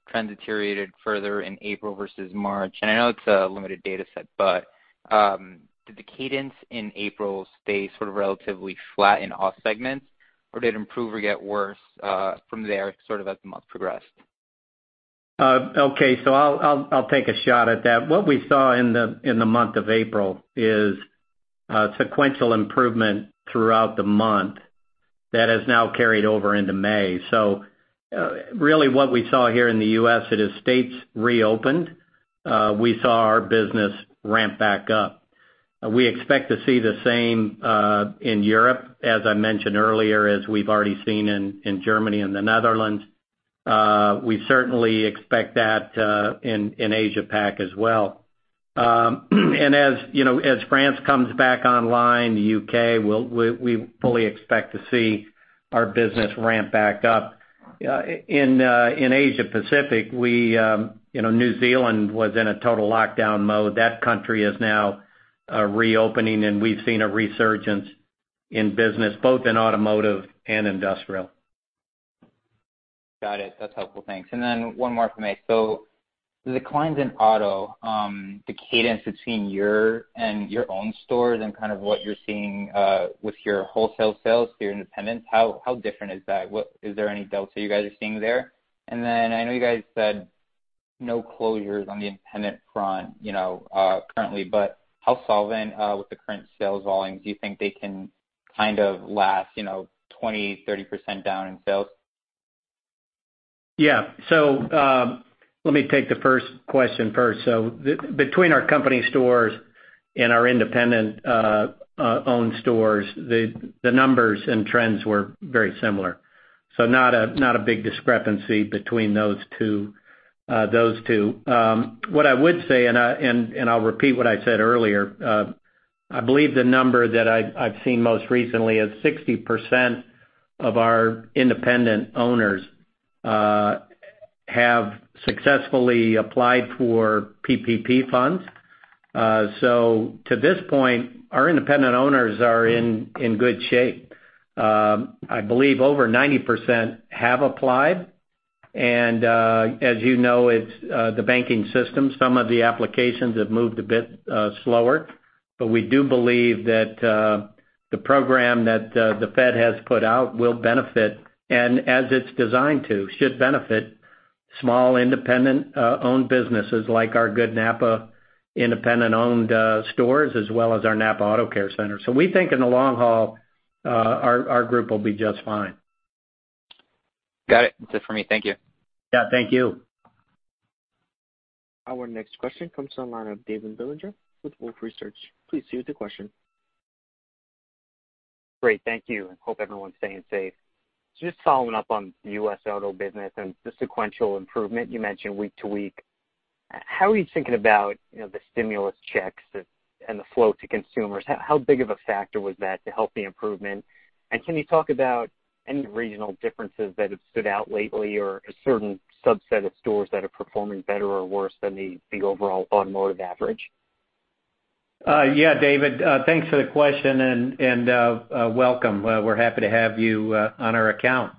trends deteriorated further in April versus March, and I know it's a limited data set, but, did the cadence in April stay sort of relatively flat in all segments, or did it improve or get worse from there sort of as the month progressed? Okay. I'll take a shot at that. What we saw in the month of April is sequential improvement throughout the month that has now carried over into May. Really what we saw here in the U.S., it is states reopened, we saw our business ramp back up. We expect to see the same, in Europe as I mentioned earlier, as we've already seen in Germany and the Netherlands. We certainly expect that in Asia Pac as well. As France comes back online, the U.K., we fully expect to see our business ramp back up. In Asia Pacific, New Zealand was in a total lockdown mode. That country is now reopening, and we've seen a resurgence in business both in automotive and industrial. Got it. That's helpful. Thanks. One more for me. The declines in auto, the cadence between your and your own stores and what you're seeing with your wholesale sales to your independents, how different is that? Is there any delta you guys are seeing there? I know you guys said no closures on the independent front currently, but how solvent, with the current sales volumes, do you think they can last 20%, 30% down in sales? Yeah. Let me take the first question first. Between our company stores and our independent-owned stores, the numbers and trends were very similar. Not a big discrepancy between those two. What I would say, and I'll repeat what I said earlier, I believe the number that I've seen most recently is 60% of our independent owners have successfully applied for PPP funds. To this point, our independent owners are in good shape. I believe over 90% have applied, and as you know, it's the banking system. Some of the applications have moved a bit slower. We do believe that the program that the Fed has put out will benefit, and as it's designed to, should benefit small independent-owned businesses like our good NAPA independent-owned stores, as well as our NAPA AutoCare Center. We think in the long haul, our group will be just fine. Got it. That's it for me. Thank you. Yeah, thank you. Our next question comes to the line of David Bellinger with Wolfe Research. Please proceed with your question. Great. Thank you. Hope everyone's staying safe. Just following up on the U.S. auto business and the sequential improvement you mentioned week to week. How are you thinking about the stimulus checks and the flow to consumers? How big of a factor was that to help the improvement? Can you talk about any regional differences that have stood out lately or a certain subset of stores that are performing better or worse than the overall automotive average? Yeah, David. Thanks for the question. Welcome. We're happy to have you on our account.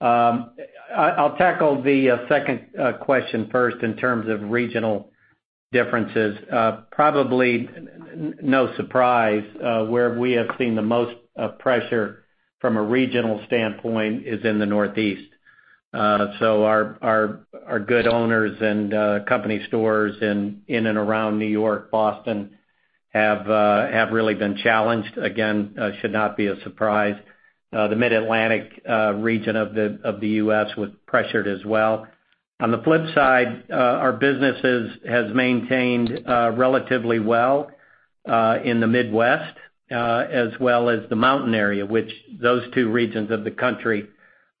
I'll tackle the second question first in terms of regional differences. Probably no surprise, where we have seen the most pressure from a regional standpoint is in the Northeast. Our good owners and company stores in and around New York, Boston, have really been challenged. Again, should not be a surprise. The Mid-Atlantic region of the U.S. was pressured as well. On the flip side, our businesses has maintained relatively well in the Midwest, as well as the mountain area, which those two regions of the country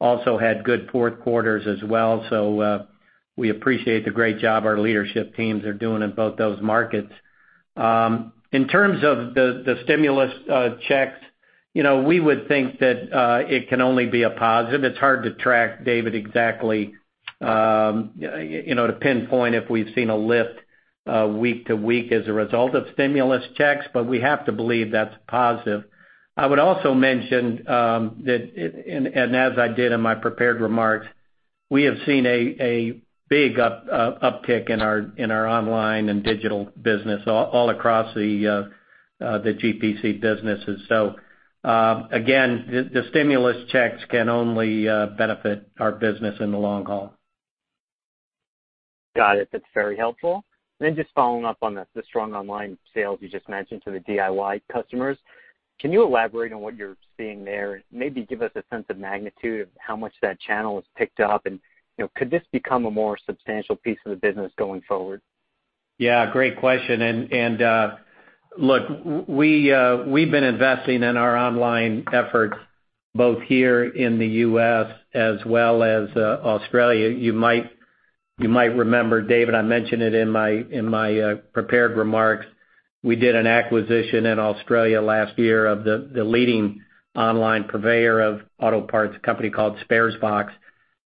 also had good fourth quarters as well. We appreciate the great job our leadership teams are doing in both those markets. In terms of the stimulus checks, we would think that it can only be a positive. It's hard to track, David, exactly to pinpoint if we've seen a lift week to week as a result of stimulus checks, but we have to believe that's positive. I would also mention that, and as I did in my prepared remarks, we have seen a big uptick in our online and digital business all across the GPC businesses. Again, the stimulus checks can only benefit our business in the long haul. Got it. That is very helpful. Then just following up on the strong online sales you just mentioned to the DIY customers, can you elaborate on what you are seeing there? Maybe give us a sense of magnitude of how much that channel has picked up, and could this become a more substantial piece of the business going forward? Yeah, great question. Look, we've been investing in our online efforts both here in the U.S. as well as Australia. You might remember, David, I mentioned it in my prepared remarks. We did an acquisition in Australia last year of the leading online purveyor of auto parts company called Sparesbox.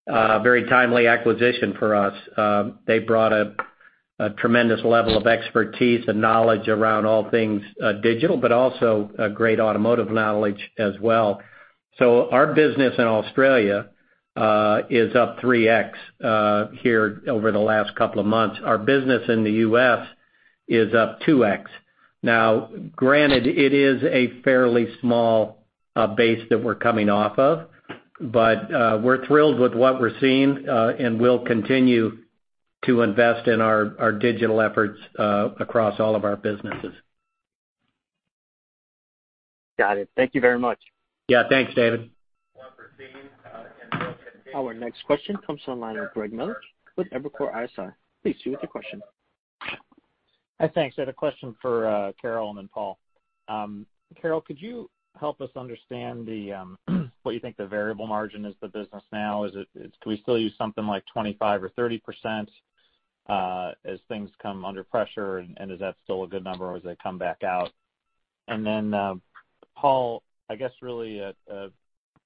Very timely acquisition for us. They brought a tremendous level of expertise and knowledge around all things digital, but also a great automotive knowledge as well. Our business in Australia is up 3x here over the last couple of months. Our business in the U.S. is up 2x. Granted, it is a fairly small base that we're coming off of, but we're thrilled with what we're seeing, and we'll continue to invest in our digital efforts across all of our businesses. Got it. Thank you very much. Yeah. Thanks, David. Our next question comes to the line of Greg Melich with Evercore ISI. Please proceed with your question. Thanks. I had a question for Carol and then Paul. Carol, could you help us understand what you think the variable margin is the business now? Can we still use something like 25% or 30% as things come under pressure, and is that still a good number as they come back out? Then Paul, I guess really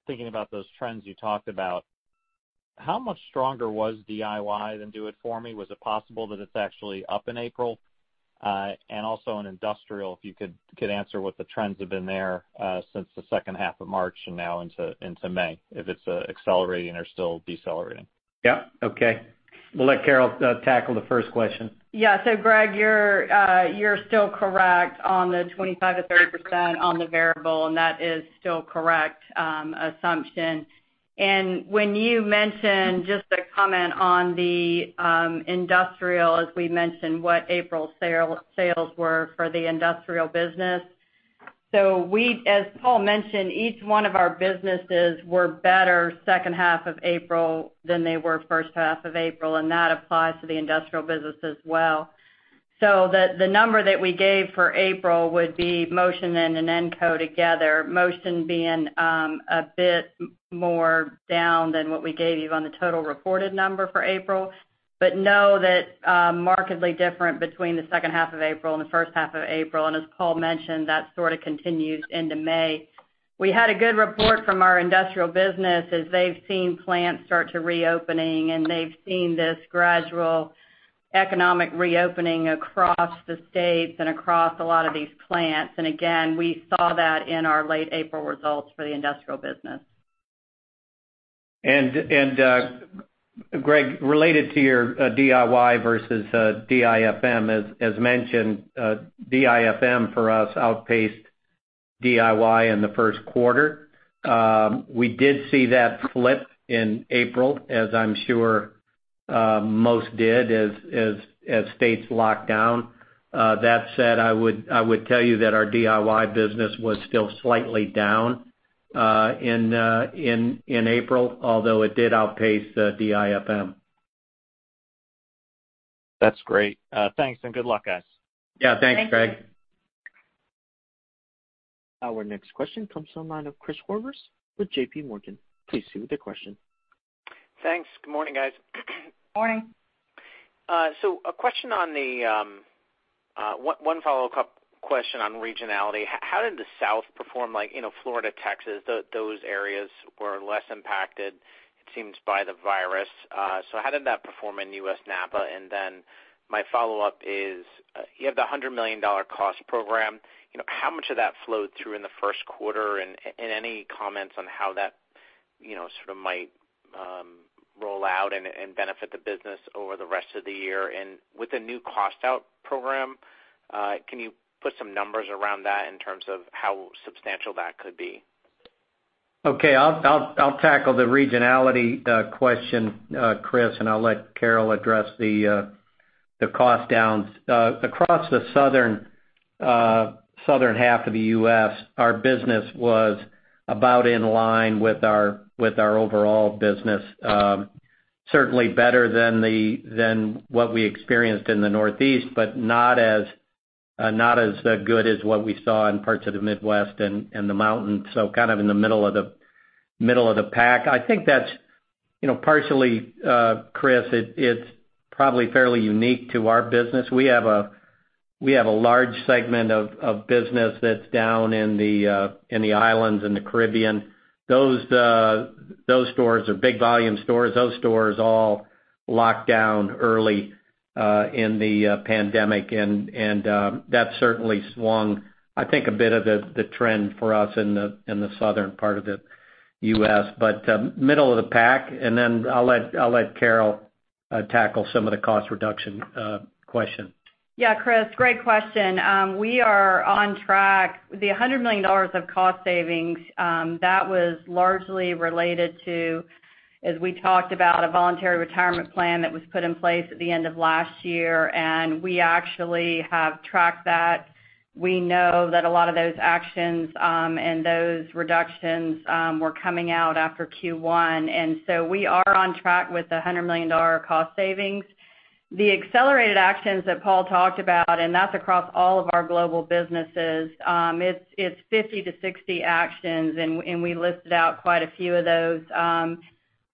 thinking about those trends you talked about, how much stronger was DIY than Do It For Me? Was it possible that it's actually up in April? Also in industrial, if you could answer what the trends have been there since the second half of March and now into May, if it's accelerating or still decelerating. Yeah. Okay. We'll let Carol tackle the first question. Yeah. Greg, you're still correct on the 25%-30% on the variable, and that is still correct assumption. When you mentioned just a comment on the industrial, as we mentioned what April sales were for the industrial business. As Paul mentioned, each one of our businesses were better second half of April than they were first half of April, and that applies to the industrial business as well. The number that we gave for April would be Motion and Inenco together, Motion being a bit more down than what we gave you on the total reported number for April. Know that markedly different between the second half of April and the first half of April. As Paul mentioned, that sort of continues into May. We had a good report from our industrial business as they've seen plants start to reopening, they've seen this gradual economic reopening across the states and across a lot of these plants. Again, we saw that in our late April results for the industrial business. Greg, related to your DIY versus DIFM, as mentioned, DIFM for us outpaced DIY in the first quarter. We did see that flip in April, as I'm sure most did as states locked down. That said, I would tell you that our DIY business was still slightly down in April, although it did outpace DIFM. That's great. Thanks and good luck, guys. Yeah. Thanks, Greg. Thank you. Our next question comes from the line of Chris Horvers with JPMorgan. Please proceed with your question. Thanks. Good morning, guys. Morning. One follow-up question on regionality. How did the South perform, like Florida, Texas, those areas were less impacted, it seems, by the virus. How did that perform in U.S. NAPA? My follow-up is, you have the $100 million cost program. How much of that flowed through in the first quarter? Any comments on how that sort of might roll out and benefit the business over the rest of the year? With the new cost-out program, can you put some numbers around that in terms of how substantial that could be? Okay. I'll tackle the regionality question, Chris, and I'll let Carol address the cost downs. Across the southern half of the U.S., our business was about in line with our overall business. Certainly better than what we experienced in the Northeast, but not as good as what we saw in parts of the Midwest and the mountains. Kind of in the middle of the pack. I think that's partially, Chris, it's probably fairly unique to our business. We have a large segment of business that's down in the islands, in the Caribbean. Those stores are big volume stores. Those stores all locked down early in the pandemic, and that certainly swung I think a bit of the trend for us in the southern part of the U.S., but middle of the pack, and then I'll let Carol tackle some of the cost reduction question. Yeah, Chris, great question. We are on track. The $100 million of cost savings, that was largely related to, as we talked about, a voluntary retirement plan that was put in place at the end of last year. We actually have tracked that. We know that a lot of those actions, and those reductions, were coming out after Q1. We are on track with the $100 million cost savings. The accelerated actions that Paul talked about, that's across all of our global businesses, it's 50 to 60 actions. We listed out quite a few of those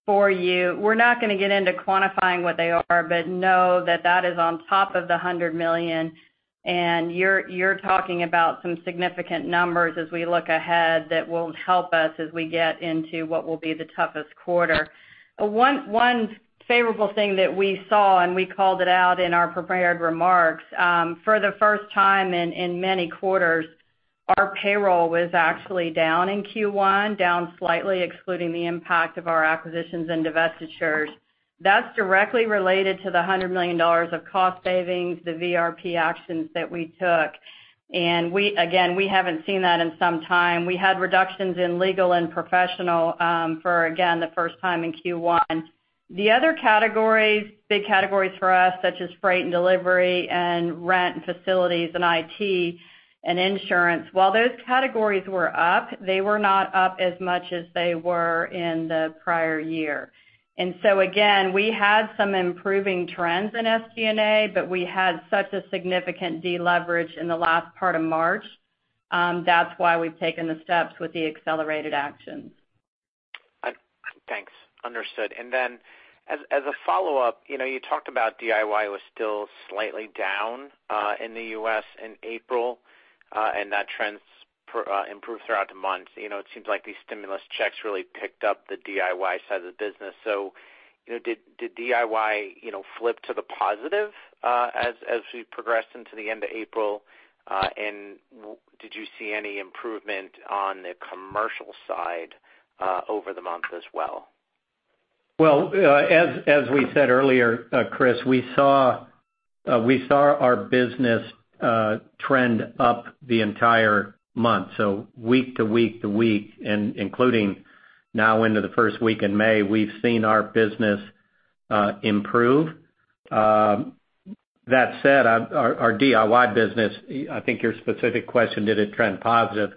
for you. We're not going to get into quantifying what they are, but know that that is on top of the $100 million. You're talking about some significant numbers as we look ahead that will help us as we get into what will be the toughest quarter. One favorable thing that we saw, and we called it out in our prepared remarks, for the first time in many quarters, our payroll was actually down in Q1, down slightly excluding the impact of our acquisitions and divestitures. That's directly related to the $100 million of cost savings, the VRP actions that we took. Again, we haven't seen that in some time. We had reductions in legal and professional for, again, the first time in Q1. The other categories, big categories for us, such as freight and delivery and rent and facilities and IT and insurance, while those categories were up, they were not up as much as they were in the prior year. So again, we had some improving trends in SG&A, but we had such a significant deleverage in the last part of March. That's why we've taken the steps with the accelerated actions. Thanks. Understood. As a follow-up, you talked about DIY was still slightly down in the U.S. in April. And that trends improved throughout the month. It seems like these stimulus checks really picked up the DIY side of the business. Did DIY flip to the positive as we progressed into the end of April? Did you see any improvement on the commercial side over the month as well? Well, as we said earlier, Chris, we saw our business trend up the entire month, so week to week to week, and including now into the first week in May, we've seen our business improve. That said, our DIY business, I think your specific question, did it trend positive?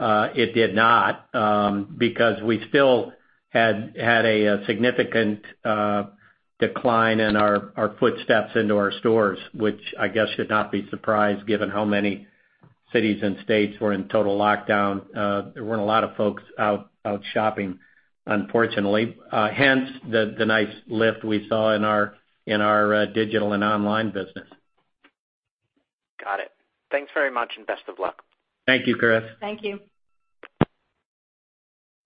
It did not, because we still had a significant decline in our footsteps into our stores, which I guess should not be a surprise given how many cities and states were in total lockdown. There weren't a lot of folks out shopping, unfortunately. Hence, the nice lift we saw in our digital and online business. Got it. Thanks very much, and best of luck. Thank you, Chris. Thank you.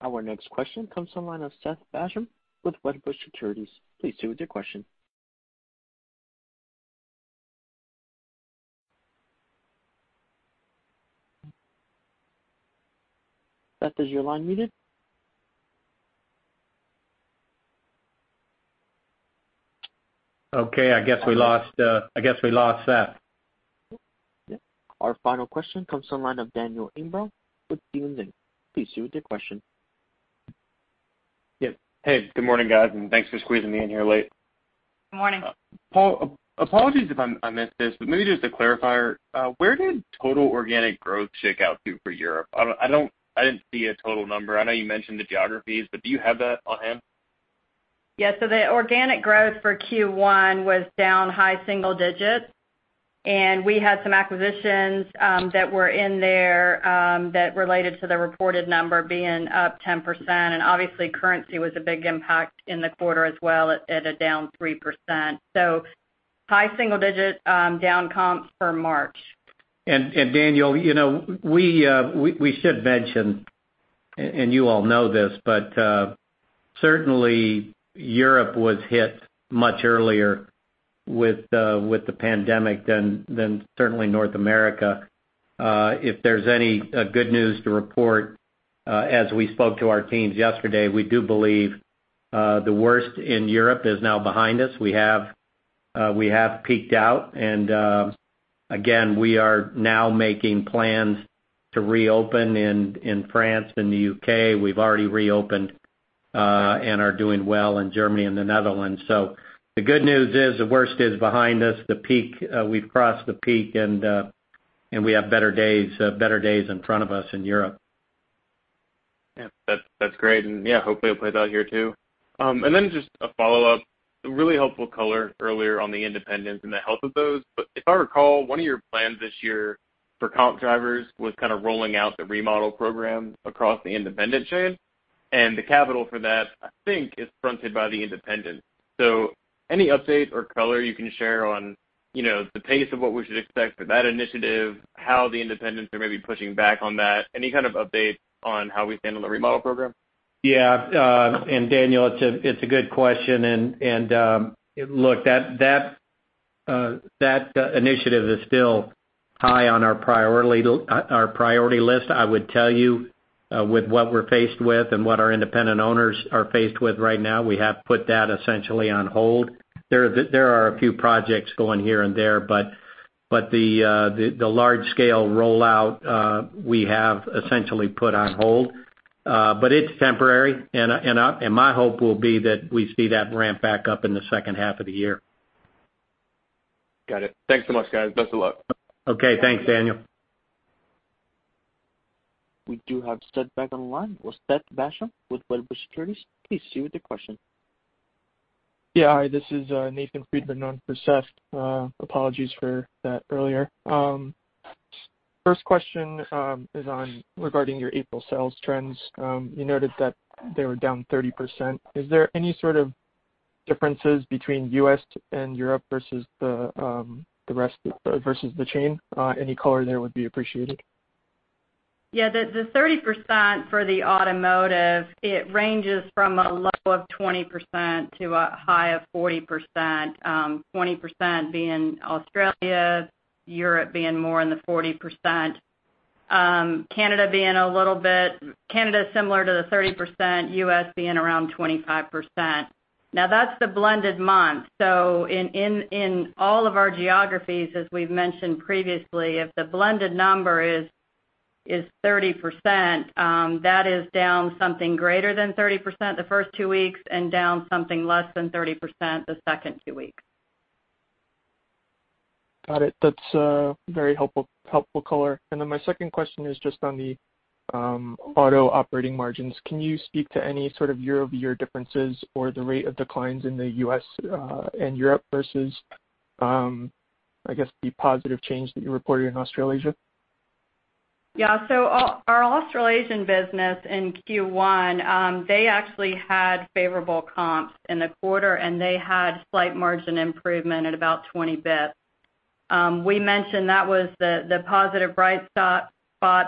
Our next question comes from the line of Seth Basham with Wedbush Securities. Please proceed with your question. Seth, is your line muted? Okay, I guess we lost Seth. Yep. Our final question comes from the line of Daniel Imbro with Stephens. Please proceed with your question. Yep. Hey, good morning, guys, and thanks for squeezing me in here late. Good morning. Paul, apologies if I missed this, but maybe just to clarify, where did total organic growth shake out to for Europe? I didn't see a total number. I know you mentioned the geographies, but do you have that on hand? Yeah. The organic growth for Q1 was down high single digits. We had some acquisitions that were in there that related to the reported number being up 10%. Obviously currency was a big impact in the quarter as well at a down 3%. High single-digit down comps for March. Daniel, we should mention, and you all know this, but certainly Europe was hit much earlier with the pandemic than certainly North America. If there's any good news to report, as we spoke to our teams yesterday, we do believe the worst in Europe is now behind us. We have peaked out and, again, we are now making plans to reopen in France and the U.K. We've already reopened and are doing well in Germany and the Netherlands. The good news is the worst is behind us. We've crossed the peak, and we have better days in front of us in Europe. Yeah. That's great. Yeah, hopefully it plays out here too. Just a follow-up, really helpful color earlier on the independents and the health of those. If I recall, one of your plans this year for comp drivers was kind of rolling out the Remodel Program across the independent chain. The capital for that, I think, is fronted by the independents. Any update or color you can share on the pace of what we should expect for that initiative, how the independents are maybe pushing back on that? Any kind of update on how we stand on the Remodel Program? Yeah. Daniel, it's a good question and, look, that initiative is still high on our priority list. I would tell you with what we're faced with and what our independent owners are faced with right now, we have put that essentially on hold. There are a few projects going here and there, but the large scale rollout, we have essentially put on hold. It's temporary, and my hope will be that we see that ramp back up in the second half of the year. Got it. Thanks so much, guys. Best of luck. Okay. Thanks, Daniel. We do have Seth back on the line. We'll Seth Basham with Wedbush Securities. Please proceed with your question. Hi, this is Nathan Friedman on for Seth. Apologies for that earlier. First question is on regarding your April sales trends. You noted that they were down 30%. Is there any sort of differences between U.S. and Europe versus the chain? Any color there would be appreciated. Yeah. The 30% for the automotive, it ranges from a low of 20% to a high of 40%, 20% being Australia, Europe being more in the 40%. Canada similar to the 30%, U.S. being around 25%. Now that's the blended month. In all of our geographies, as we've mentioned previously, if the blended number is 30%, that is down something greater than 30% the first two weeks and down something less than 30% the second two weeks. Got it. That's very helpful color. My second question is just on the auto operating margins. Can you speak to any sort of year-over-year differences or the rate of declines in the U.S. and Europe versus, I guess, the positive change that you reported in Australasia? Our Australasian business in Q1, they actually had favorable comps in the quarter, and they had slight margin improvement at about 20 basis points. We mentioned that was the positive bright spot.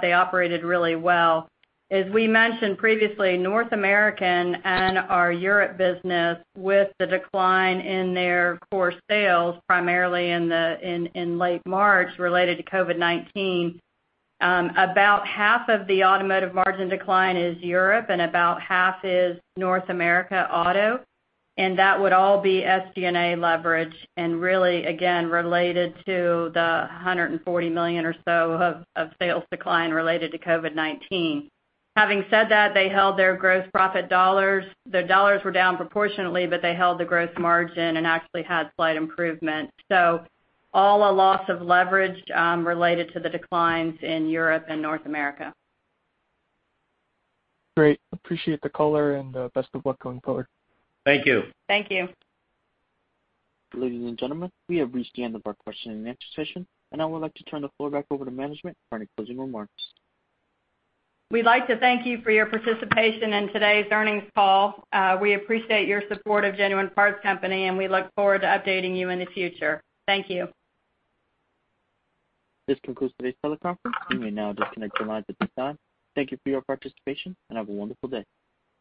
They operated really well. As we mentioned previously, North American and our Europe business with the decline in their core sales, primarily in late March related to COVID-19. About half of the automotive margin decline is Europe and about half is North America auto, and that would all be SG&A leverage and really, again, related to the $140 million or so of sales decline related to COVID-19. Having said that, they held their gross profit dollars. Their dollars were down proportionately, but they held the gross margin and actually had slight improvement. All a loss of leverage related to the declines in Europe and North America. Great. Appreciate the color, and best of luck going forward. Thank you. Thank you. Ladies and gentlemen, we have reached the end of our question and answer session, and I would like to turn the floor back over to management for any closing remarks. We'd like to thank you for your participation in today's earnings call. We appreciate your support of Genuine Parts Company, and we look forward to updating you in the future. Thank you. This concludes today's teleconference. You may now disconnect your lines at this time. Thank you for your participation, and have a wonderful day.